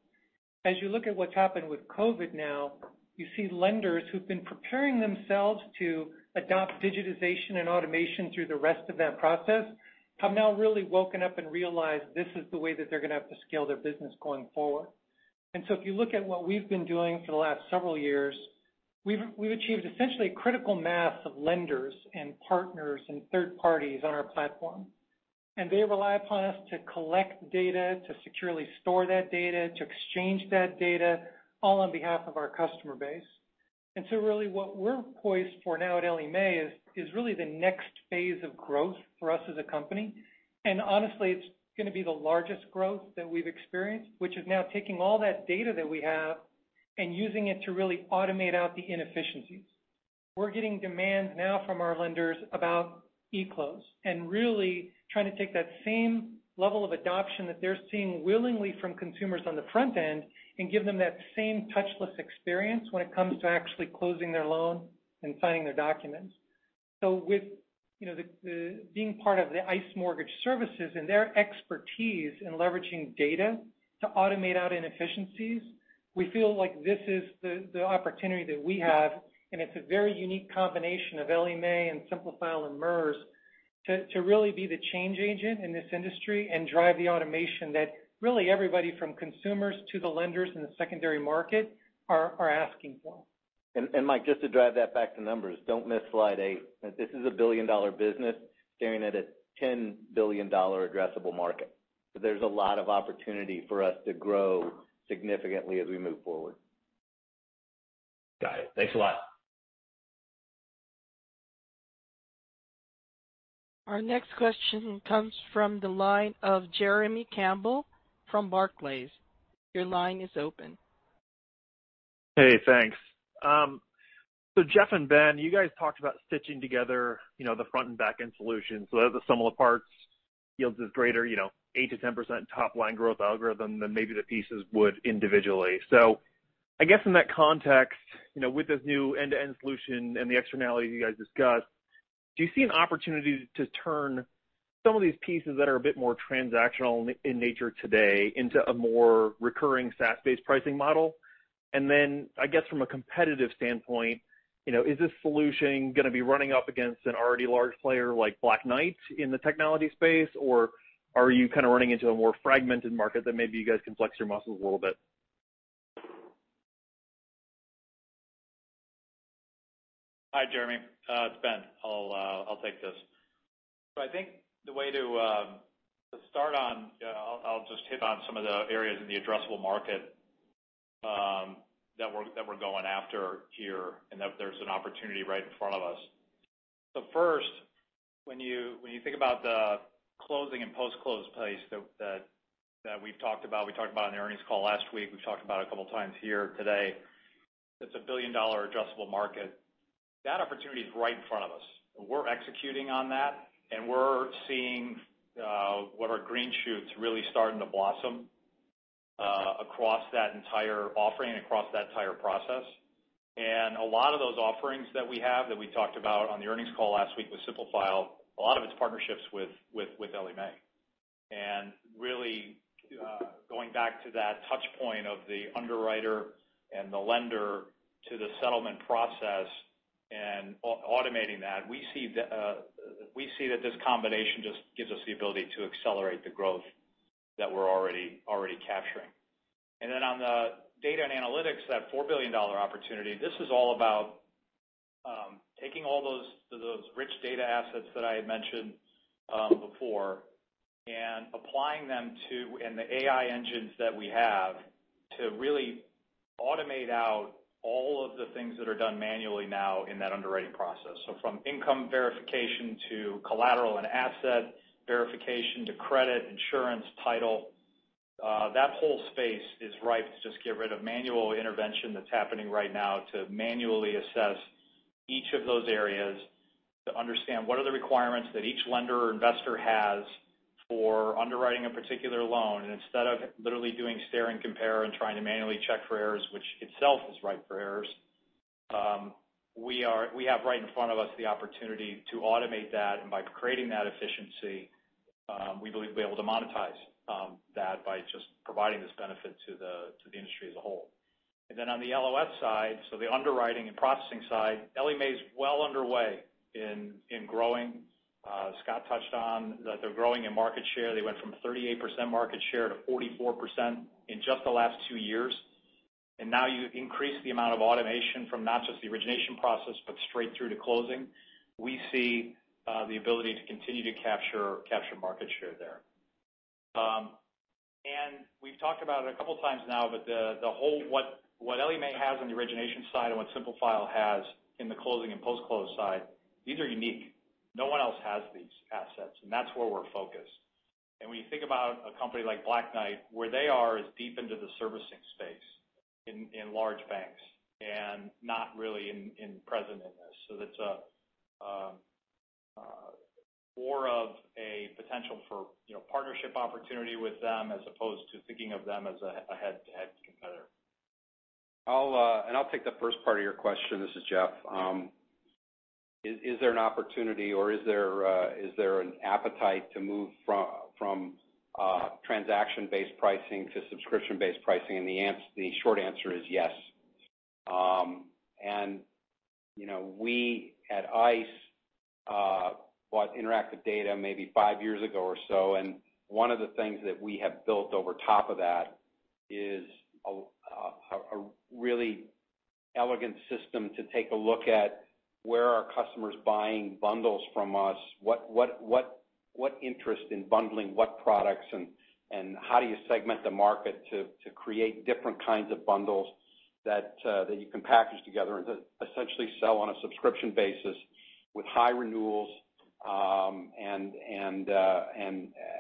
Speaker 12: As you look at what's happened with COVID now, you see lenders who've been preparing themselves to adopt digitization and automation through the rest of that process have now really woken up and realized this is the way that they're going to have to scale their business going forward. If you look at what we've been doing for the last several years, we've achieved essentially a critical mass of lenders and partners and third parties on our platform. They rely upon us to collect data, to securely store that data, to exchange that data, all on behalf of our customer base. Really what we're poised for now at Ellie Mae is really the next phase of growth for us as a company. Honestly, it's going to be the largest growth that we've experienced, which is now taking all that data that we have and using it to really automate out the inefficiencies. We're getting demands now from our lenders about e-close, and really trying to take that same level of adoption that they're seeing willingly from consumers on the front end and give them that same touchless experience when it comes to actually closing their loan and signing their documents. With being part of the ICE Mortgage Technology and their expertise in leveraging data to automate out inefficiencies, we feel like this is the opportunity that we have, and it's a very unique combination of Ellie Mae and Simplifile and MERS to really be the change agent in this industry and drive the automation that really everybody from consumers to the lenders in the secondary market are asking for.
Speaker 4: Mike, just to drive that back to numbers, don't miss Slide eight. This is a billion-dollar business staring at a $10 billion addressable market. There's a lot of opportunity for us to grow significantly as we move forward.
Speaker 11: Got it. Thanks a lot.
Speaker 5: Our next question comes from the line of Jeremy Campbell from Barclays. Your line is open.
Speaker 13: Hey, thanks. Jeff and Ben, you guys talked about stitching together the front and back-end solutions. That was the sum of the parts yields this greater 8%-10% top-line growth algorithm than maybe the pieces would individually. I guess in that context, with this new end-to-end solution and the externalities you guys discussed, do you see an opportunity to turn some of these pieces that are a bit more transactional in nature today into a more recurring SaaS-based pricing model? I guess from a competitive standpoint, is this solution going to be running up against an already large player like Black Knight in the technology space? Are you kind of running into a more fragmented market that maybe you guys can flex your muscles a little bit?
Speaker 9: Hi, Jeremy. It's Ben. I'll take this. I think the way to start, I'll just hit on some of the areas in the addressable market that we're going after here, and that there's an opportunity right in front of us. First, when you think about the closing and post-close place that we've talked about, we talked about on the earnings call last week, we've talked about a couple times here today. It's a $1 billion addressable market. That opportunity's right in front of us. We're executing on that, and we're seeing what are green shoots really starting to blossom across that entire offering, across that entire process. A lot of those offerings that we have, that we talked about on the earnings call last week with Simplifile, a lot of it's partnerships with Ellie Mae. Really going back to that touch point of the underwriter and the lender to the settlement process and automating that, we see that this combination just gives us the ability to accelerate the growth that we're already capturing. On the data and analytics, that $4 billion opportunity, this is all about taking all those rich data assets that I had mentioned for and applying them to, and the AI engines that we have, to really automate out all of the things that are done manually now in that underwriting process. From income verification to collateral and asset verification to credit, insurance, title, that whole space is ripe to just get rid of manual intervention that's happening right now to manually assess each of those areas to understand what are the requirements that each lender or investor has for underwriting a particular loan. Instead of literally doing stare and compare and trying to manually check for errors, which itself is ripe for errors, we have right in front of us the opportunity to automate that. By creating that efficiency, we believe we'll be able to monetize that by just providing this benefit to the industry as a whole. On the LOS side, so the underwriting and processing side, Ellie Mae's well underway in growing. Scott touched on that they're growing in market share. They went from 38% market share to 44% in just the last two years. Now you increase the amount of automation from not just the origination process, but straight through to closing. We see the ability to continue to capture market share there. We've talked about it a couple of times now, but what Ellie Mae has on the origination side and what Simplifile has in the closing and post-close side, these are unique. No one else has these assets, and that's where we're focused. When you think about a company like Black Knight, where they are is deep into the servicing space in large banks and not really present in this. That's more of a potential for partnership opportunity with them as opposed to thinking of them as a head-to-head competitor.
Speaker 2: I'll take the first part of your question. This is Jeff. Is there an opportunity or is there an appetite to move from transaction-based pricing to subscription-based pricing? The short answer is yes. We at ICE bought Interactive Data maybe five years ago or so, and one of the things that we have built over top of that is a really elegant system to take a look at where are customers buying bundles from us, what interest in bundling what products, and how do you segment the market to create different kinds of bundles that you can package together and essentially sell on a subscription basis with high renewals, and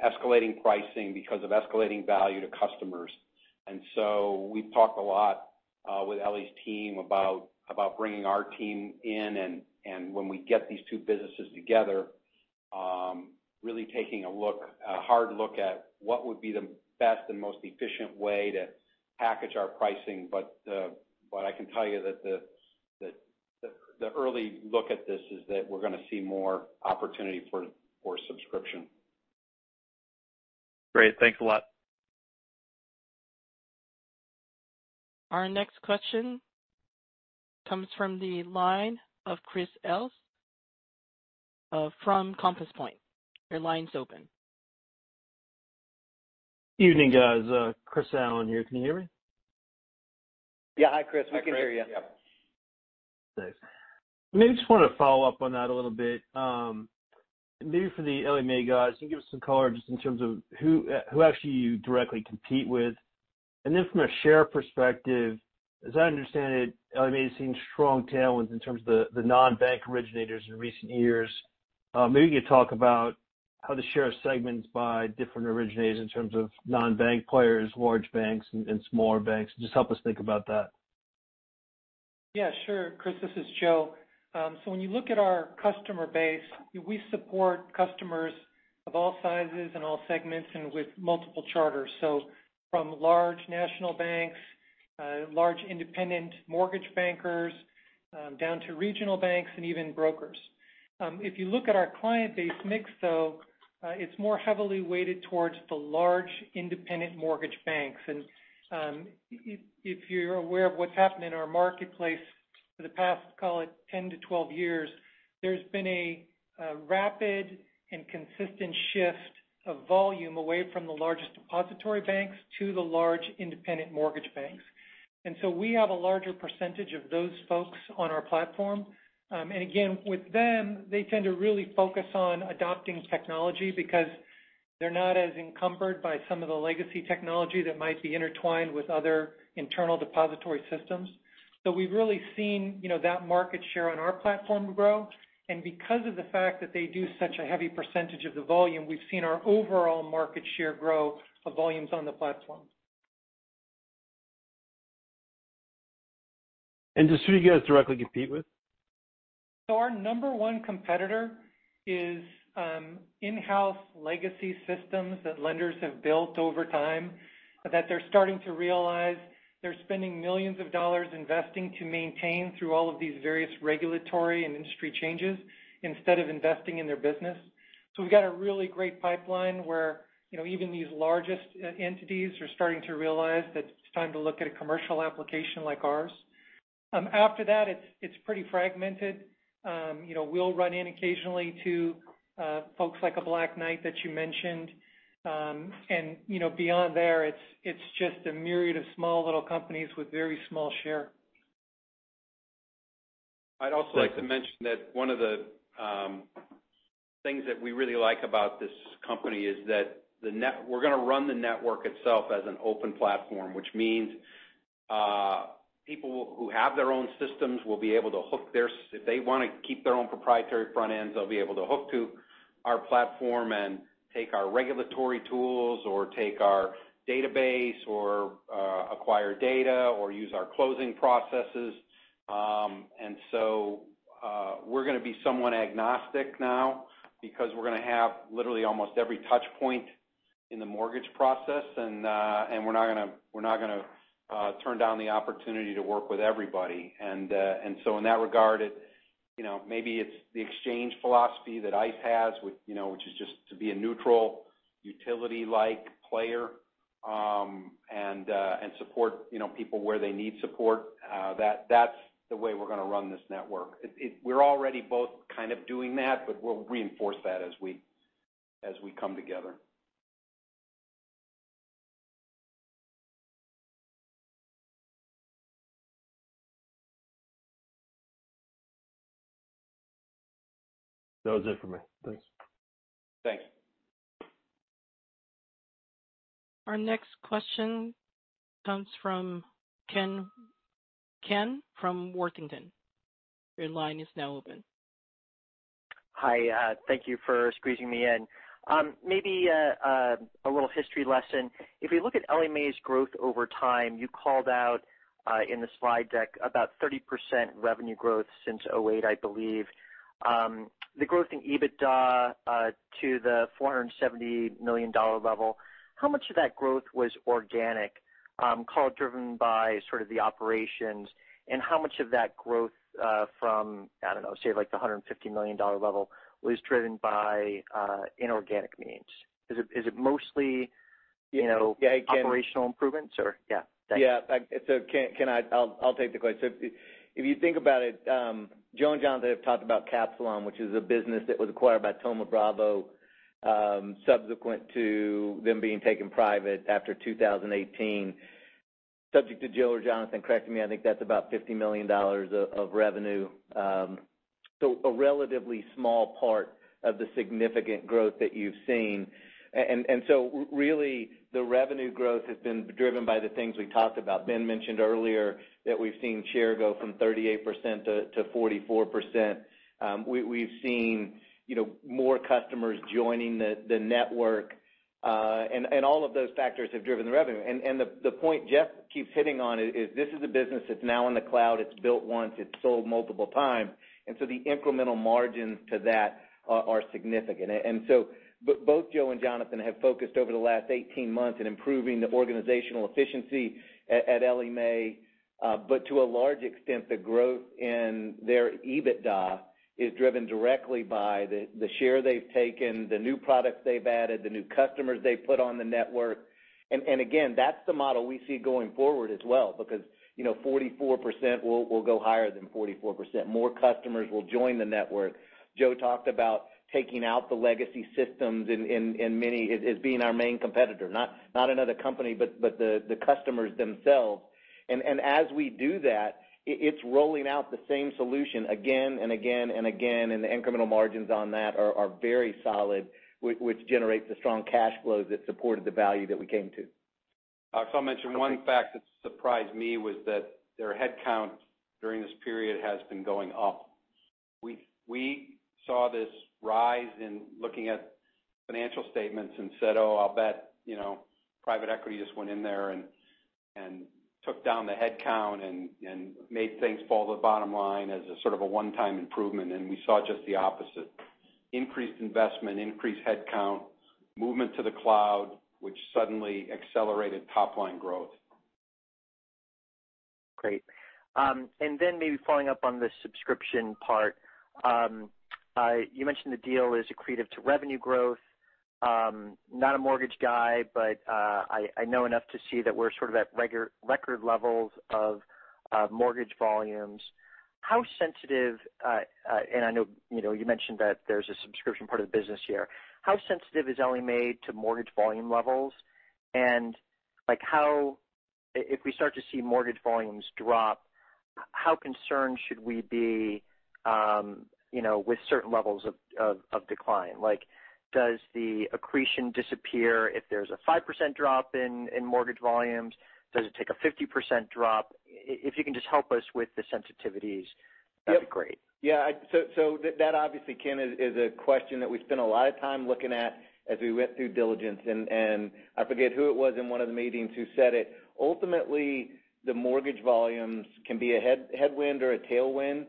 Speaker 2: escalating pricing because of escalating value to customers. We've talked a lot with Ellie's team about bringing our team in, and when we get these two businesses together, really taking a hard look at what would be the best and most efficient way to package our pricing. I can tell you that the early look at this is that we're going to see more opportunity for subscription.
Speaker 13: Great. Thanks a lot.
Speaker 5: Our next question comes from the line of Chris Allen from Compass Point. Your line's open.
Speaker 14: Evening, guys. Chris Allen here. Can you hear me?
Speaker 9: Yeah. Hi, Chris. We can hear you.
Speaker 2: Hi, Chris. Yep.
Speaker 14: Thanks. Maybe just want to follow up on that a little bit. Maybe for the Ellie Mae guys, can you give us some color just in terms of who actually you directly compete with? From a share perspective, as I understand it, Ellie Mae's seen strong tailwinds in terms of the non-bank originators in recent years. Maybe you could talk about how the share is segmented by different originators in terms of non-bank players, large banks, and smaller banks. Just help us think about that.
Speaker 12: Yeah, sure. Chris, this is Joe. When you look at our customer base, we support customers of all sizes and all segments and with multiple charters. From large national banks, large independent mortgage bankers, down to regional banks, and even brokers. If you look at our client base mix, though, it's more heavily weighted towards the large independent mortgage banks. If you're aware of what's happened in our marketplace for the past, call it 10 years-12 years, there's been a rapid and consistent shift of volume away from the largest depository banks to the large independent mortgage banks. We have a larger percentage of those folks on our platform. Again, with them, they tend to really focus on adopting technology because they're not as encumbered by some of the legacy technology that might be intertwined with other internal depository systems. We've really seen that market share on our platform grow. Because of the fact that they do such a heavy percentage of the volume, we've seen our overall market share grow for volumes on the platform.
Speaker 14: Just who do you guys directly compete with?
Speaker 12: Our number one competitor is in-house legacy systems that lenders have built over time, that they're starting to realize they're spending millions of dollars investing to maintain through all of these various regulatory and industry changes instead of investing in their business. We've got a really great pipeline where even these largest entities are starting to realize that it's time to look at a commercial application like ours. After that, it's pretty fragmented. We'll run in occasionally to folks like a Black Knight that you mentioned. Beyond there, it's just a myriad of small little companies with very small share.
Speaker 2: I'd also like to mention that one of the things that we really like about this company is that we're going to run the network itself as an open platform. Which means people who have their own systems will be able to hook If they want to keep their own proprietary front ends, they'll be able to hook to our platform and take our regulatory tools or take our database or acquire data or use our closing processes. We're going to be somewhat agnostic now because we're going to have literally almost every touch point in the mortgage process, and we're not going to turn down the opportunity to work with everybody. In that regard, maybe it's the exchange philosophy that ICE has, which is just to be a neutral utility-like player, and support people where they need support.
Speaker 4: That's the way we're going to run this network. We're already both kind of doing that, but we'll reinforce that as we come together.
Speaker 14: That was it for me. Thanks.
Speaker 2: Thanks.
Speaker 5: Our next question comes from Ken Worthington. Your line is now open.
Speaker 15: Hi. Thank you for squeezing me in. Maybe a little history lesson. If we look at Ellie Mae's growth over time, you called out in the slide deck about 30% revenue growth since 2008, I believe. The growth in EBITDA to the $470 million level, how much of that growth was organic, call it driven by sort of the operations? How much of that growth from, I don't know, say, like the $150 million level was driven by inorganic means?
Speaker 4: Yeah. Ken.
Speaker 15: operational improvements. Yeah. Thanks.
Speaker 4: Yeah. Ken, I'll take the question. If you think about it, Joe and Jonathan have talked about Capsilon, which is a business that was acquired by Thoma Bravo, subsequent to them being taken private after 2018. Subject to Joe or Jonathan correcting me, I think that's about $50 million of revenue. A relatively small part of the significant growth that you've seen. Really the revenue growth has been driven by the things we talked about. Ben mentioned earlier that we've seen share go from 38% to 44%. We've seen more customers joining the network. All of those factors have driven the revenue. The point Jeff keeps hitting on is this is a business that's now in the cloud. It's built once, it's sold multiple times. The incremental margins to that are significant. Both Joe and Jonathan have focused over the last 18 months in improving the organizational efficiency at Ellie Mae. To a large extent, the growth in their EBITDA is driven directly by the share they've taken, the new products they've added, the new customers they've put on the network. Again, that's the model we see going forward as well because 44% will go higher than 44%. More customers will join the network. Joe talked about taking out the legacy systems as being our main competitor. Not another company, but the customers themselves. As we do that, it's rolling out the same solution again and again and again. The incremental margins on that are very solid, which generates the strong cash flows that supported the value that we came to.
Speaker 2: I'll mention one fact that surprised me was that their headcount during this period has been going up. We saw this rise in looking at financial statements and said, "Oh, I'll bet private equity just went in there and took down the headcount and made things fall to the bottom line as a sort of a one-time improvement." We saw just the opposite. Increased investment, increased headcount, movement to the cloud, which suddenly accelerated top-line growth.
Speaker 15: Great. Then maybe following up on the subscription part. You mentioned the deal is accretive to revenue growth. Not a mortgage guy, but I know enough to see that we're sort of at record levels of mortgage volumes. How sensitive, and I know you mentioned that there's a subscription part of the business here. How sensitive is Ellie Mae to mortgage volume levels? If we start to see mortgage volumes drop, how concerned should we be with certain levels of decline? Does the accretion disappear if there's a 5% drop in mortgage volumes? Does it take a 50% drop? If you can just help us with the sensitivities, that'd be great.
Speaker 2: Yeah. That obviously, Ken, is a question that we spent a lot of time looking at as we went through diligence. I forget who it was in one of the meetings who said it. Ultimately, the mortgage volumes can be a headwind or a tailwind,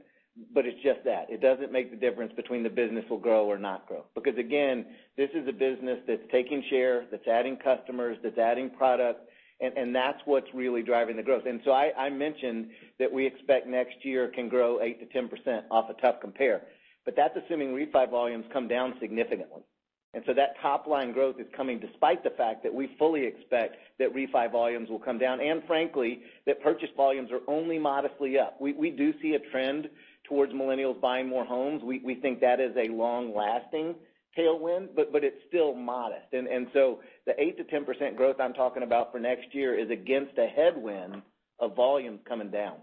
Speaker 2: but it's just that. It doesn't make the difference between the business will grow or not grow. Again, this is a business that's taking share, that's adding customers, that's adding product, and that's what's really driving the growth. I mentioned that we expect next year can grow 8%-10% off a tough compare. That's assuming refi volumes come down significantly. That top-line growth is coming despite the fact that we fully expect that refi volumes will come down, and frankly, that purchase volumes are only modestly up. We do see a trend towards millennials buying more homes. We think that is a long-lasting tailwind, but it's still modest. The 8%-10% growth I'm talking about for next year is against a headwind of volumes coming down.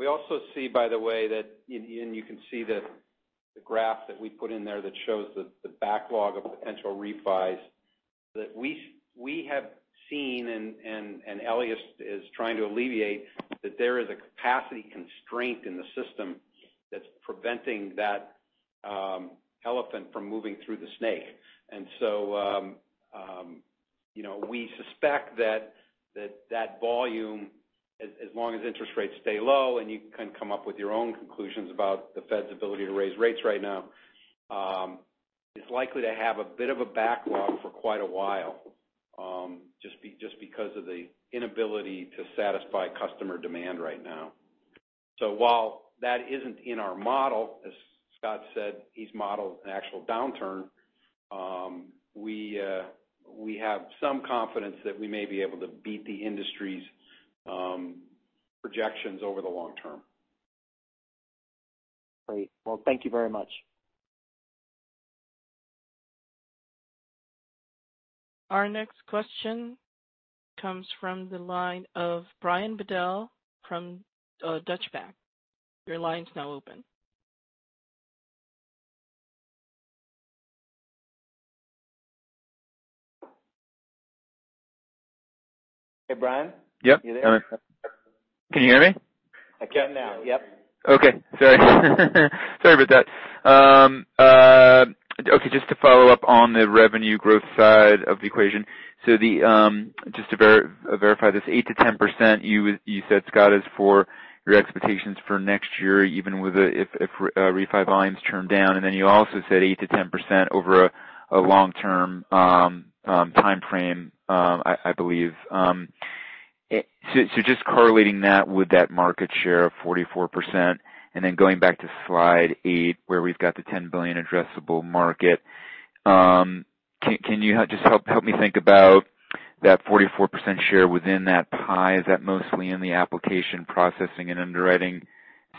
Speaker 2: We also see, by the way, and you can see the graph that we put in there that shows the backlog of potential refis that we have seen, and Ellie is trying to alleviate, that there is a capacity constraint in the system that's preventing that elephant from moving through the snake. We suspect that volume, as long as interest rates stay low and you can come up with your own conclusions about the Fed's ability to raise rates right now, is likely to have a bit of a backlog for quite a while, just because of the inability to satisfy customer demand right now. While that isn't in our model, as Scott said, he's modeled an actual downturn. We have some confidence that we may be able to beat the industry's projections over the long term.
Speaker 15: Great. Well, thank you very much.
Speaker 5: Our next question comes from the line of Brian Bedell from Deutsche Bank. Your line's now open.
Speaker 4: Hey, Brian?
Speaker 16: Yep.
Speaker 4: You there?
Speaker 16: Can you hear me?
Speaker 4: I can now. Yep.
Speaker 16: Okay. Sorry. Sorry about that. Just to follow up on the revenue growth side of the equation. Just to verify this, 8%-10%, you said, Scott, is for your expectations for next year, even if refi volumes turn down? You also said 8%-10% over a long-term timeframe, I believe. Just correlating that with that market share of 44%, and going back to Slide eight where we've got the $10 billion addressable market, can you just help me think about that 44% share within that pie? Is that mostly in the application processing and underwriting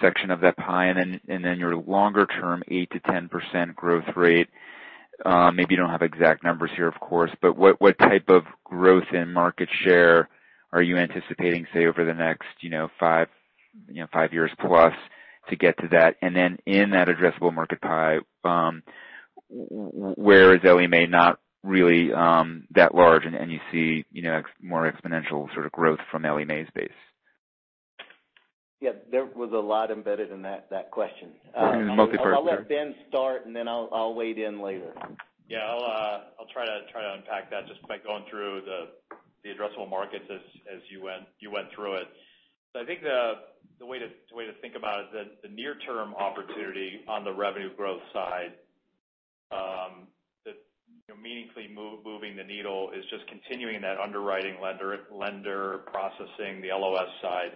Speaker 16: section of that pie? Your longer-term 8%-10% growth rate, maybe you don't have exact numbers here, of course, but what type of growth in market share are you anticipating, say, over the next five years plus to get to that? In that addressable market pie, where is Ellie Mae not really that large, and you see more exponential sort of growth from Ellie Mae's base?
Speaker 4: Yeah, there was a lot embedded in that question.
Speaker 16: Well, I mean.
Speaker 4: I'll let Ben start, and then I'll weigh in later.
Speaker 9: Yeah. I'll try to unpack that just by going through the addressable markets as you went through it. I think the way to think about it is that the near-term opportunity on the revenue growth side that's meaningfully moving the needle is just continuing that underwriting lender processing, the LOS side,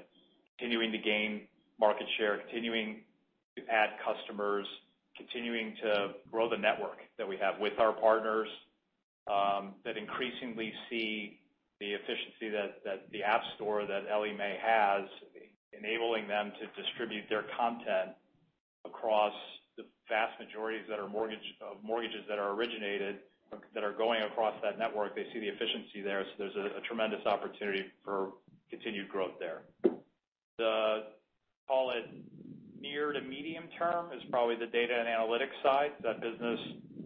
Speaker 9: continuing to gain market share, continuing to add customers, continuing to grow the network that we have with our partners that increasingly see the efficiency that the app store that Ellie Mae has, enabling them to distribute their content across the vast majorities of mortgages that are originated that are going across that network. They see the efficiency there. There's a tremendous opportunity for continued growth there. The, call it near to medium term, is probably the data and analytics side. That business,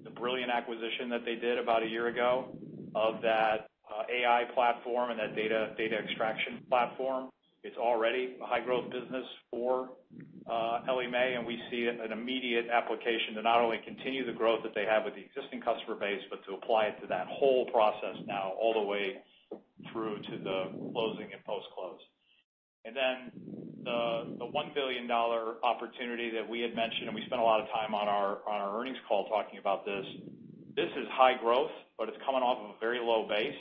Speaker 9: the brilliant acquisition that they did about one year ago of that AI platform and that data extraction platform. It's already a high-growth business for Ellie Mae, and we see an immediate application to not only continue the growth that they have with the existing customer base but to apply it to that whole process now all the way through to the closing and post-close. The $1 billion opportunity that we had mentioned, and we spent a lot of time on our earnings call talking about this. This is high growth, but it's coming off of a very low base.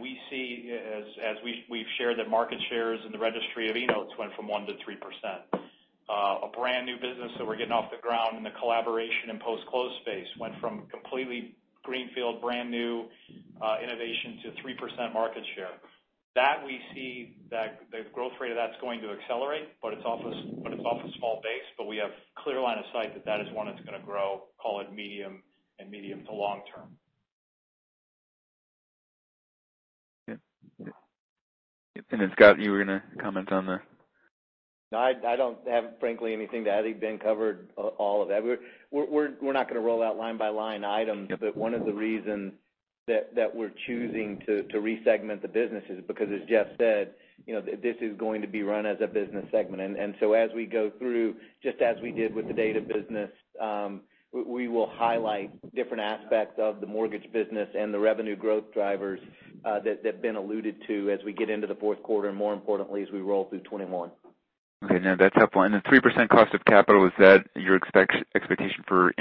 Speaker 9: We see, as we've shared, that market shares in the registry of eNotes went from 1%-3%. A brand-new business that we're getting off the ground in the collaboration and post-close space went from completely greenfield, brand-new innovation to 3% market share. That we see the growth rate of that's going to accelerate, but it's off a small base. We have clear line of sight that is one that's going to grow, call it medium and medium to long term.
Speaker 16: Yeah. Scott, you were going to comment on the.
Speaker 4: No, I don't have, frankly, anything to add. I think Ben covered all of that. We're not going to roll out line-by-line items.
Speaker 16: Yep
Speaker 4: One of the reasons that we're choosing to re-segment the business is because, as Jeff said, this is going to be run as a business segment. As we go through, just as we did with the data business, we will highlight different aspects of the mortgage business and the revenue growth drivers that have been alluded to as we get into the fourth quarter, and more importantly, as we roll through 2021.
Speaker 16: Okay. No, that's helpful. The 3% cost of capital, is that your expectation for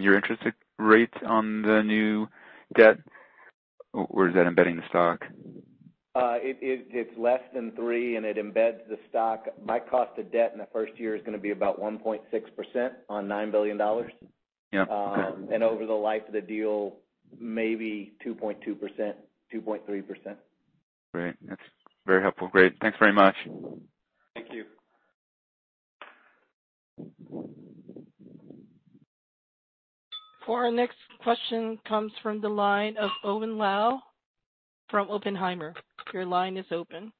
Speaker 16: your interest rates on the new debt? Or is that embedding the stock?
Speaker 4: It's less than three, and it embeds the stock. My cost of debt in the first year is going to be about 1.6% on $9 billion.
Speaker 16: Yeah. Okay.
Speaker 4: Over the life of the deal, maybe 2.2%, 2.3%.
Speaker 16: Great. That's very helpful. Great. Thanks very much.
Speaker 4: Thank you.
Speaker 5: Our next question comes from the line of Owen Lau from Oppenheimer. Your line is open.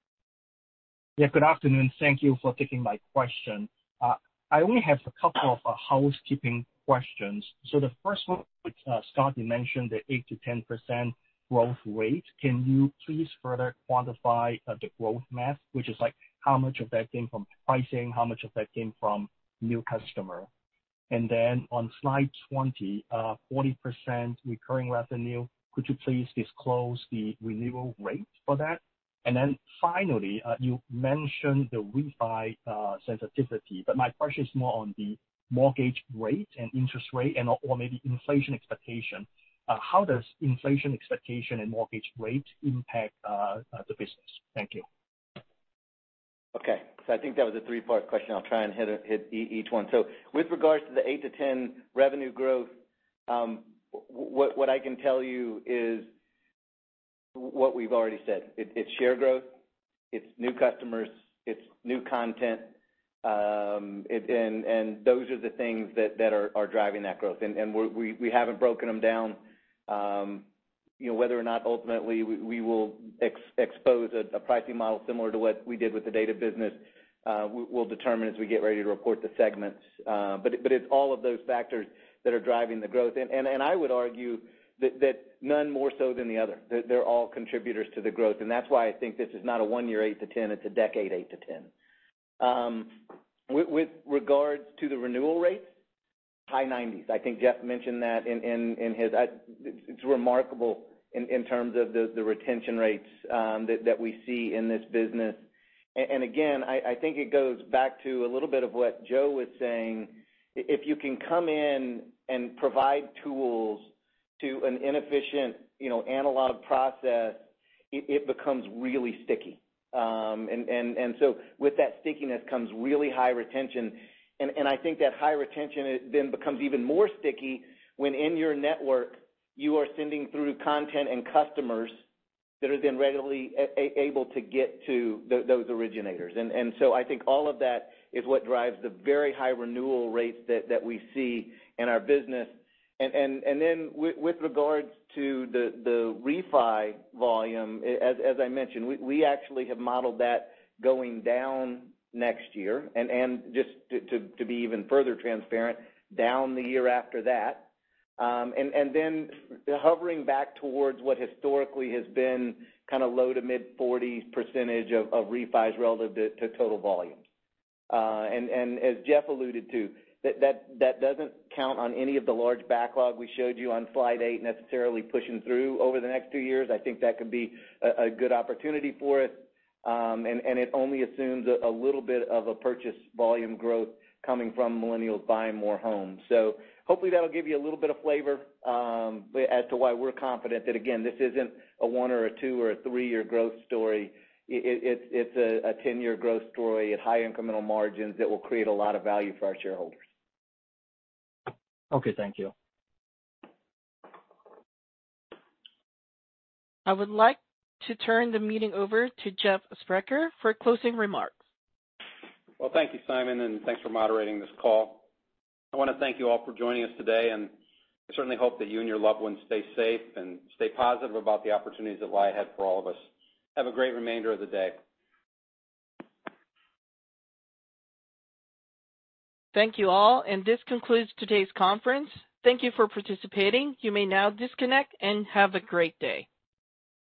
Speaker 17: Good afternoon. Thank you for taking my question. I only have a couple of housekeeping questions. The first one, which Scott, you mentioned the 8%-10% growth rate, can you please further quantify the growth math, which is like how much of that came from pricing, how much of that came from new customer? On Slide 20, 40% recurring revenue, could you please disclose the renewal rate for that? Finally, you mentioned the refi sensitivity, but my question is more on the mortgage rate and interest rate and/or maybe inflation expectation. How does inflation expectation and mortgage rate impact the business? Thank you.
Speaker 4: Okay. I think that was a three-part question. I'll try and hit each one. With regards to the 8%-10% revenue growth, what I can tell you is what we've already said. It's share growth, it's new customers, it's new content. Those are the things that are driving that growth. We haven't broken them down. Whether or not ultimately we will expose a pricing model similar to what we did with the data business, we'll determine as we get ready to report the segments. It's all of those factors that are driving the growth. I would argue that none more so than the other. They're all contributors to the growth, and that's why I think this is not a one-year 8%-10%, it's a decade 8%-10%. With regards to the renewal rates, high 90s. I think Jeff mentioned that. It's remarkable in terms of the retention rates that we see in this business. Again, I think it goes back to a little bit of what Joe was saying. If you can come in and provide tools to an inefficient analog process, it becomes really sticky. With that stickiness comes really high retention. I think that high retention becomes even more sticky when in your network you are sending through content and customers that are readily able to get to those originators. I think all of that is what drives the very high renewal rates that we see in our business. With regards to the refi volume, as I mentioned, we actually have modeled that going down next year, just to be even further transparent, down the year after that. Then hovering back towards what historically has been kind of low to mid-40s% of refis relative to total volumes. As Jeff alluded to, that doesn't count on any of the large backlog we showed you on Slide eight necessarily pushing through over the next two years. I think that could be a good opportunity for us. It only assumes a little bit of a purchase volume growth coming from millennials buying more homes. Hopefully that'll give you a little bit of flavor as to why we're confident that, again, this isn't a one- or a two- or a three-year growth story. It's a 10-year growth story at high incremental margins that will create a lot of value for our shareholders.
Speaker 17: Okay, thank you.
Speaker 5: I would like to turn the meeting over to Jeff Sprecher for closing remarks.
Speaker 2: Well, thank you, Simon, and thanks for moderating this call. I want to thank you all for joining us today, and I certainly hope that you and your loved ones stay safe and stay positive about the opportunities that lie ahead for all of us. Have a great remainder of the day.
Speaker 5: Thank you all, and this concludes today's conference. Thank you for participating. You may now disconnect, and have a great day.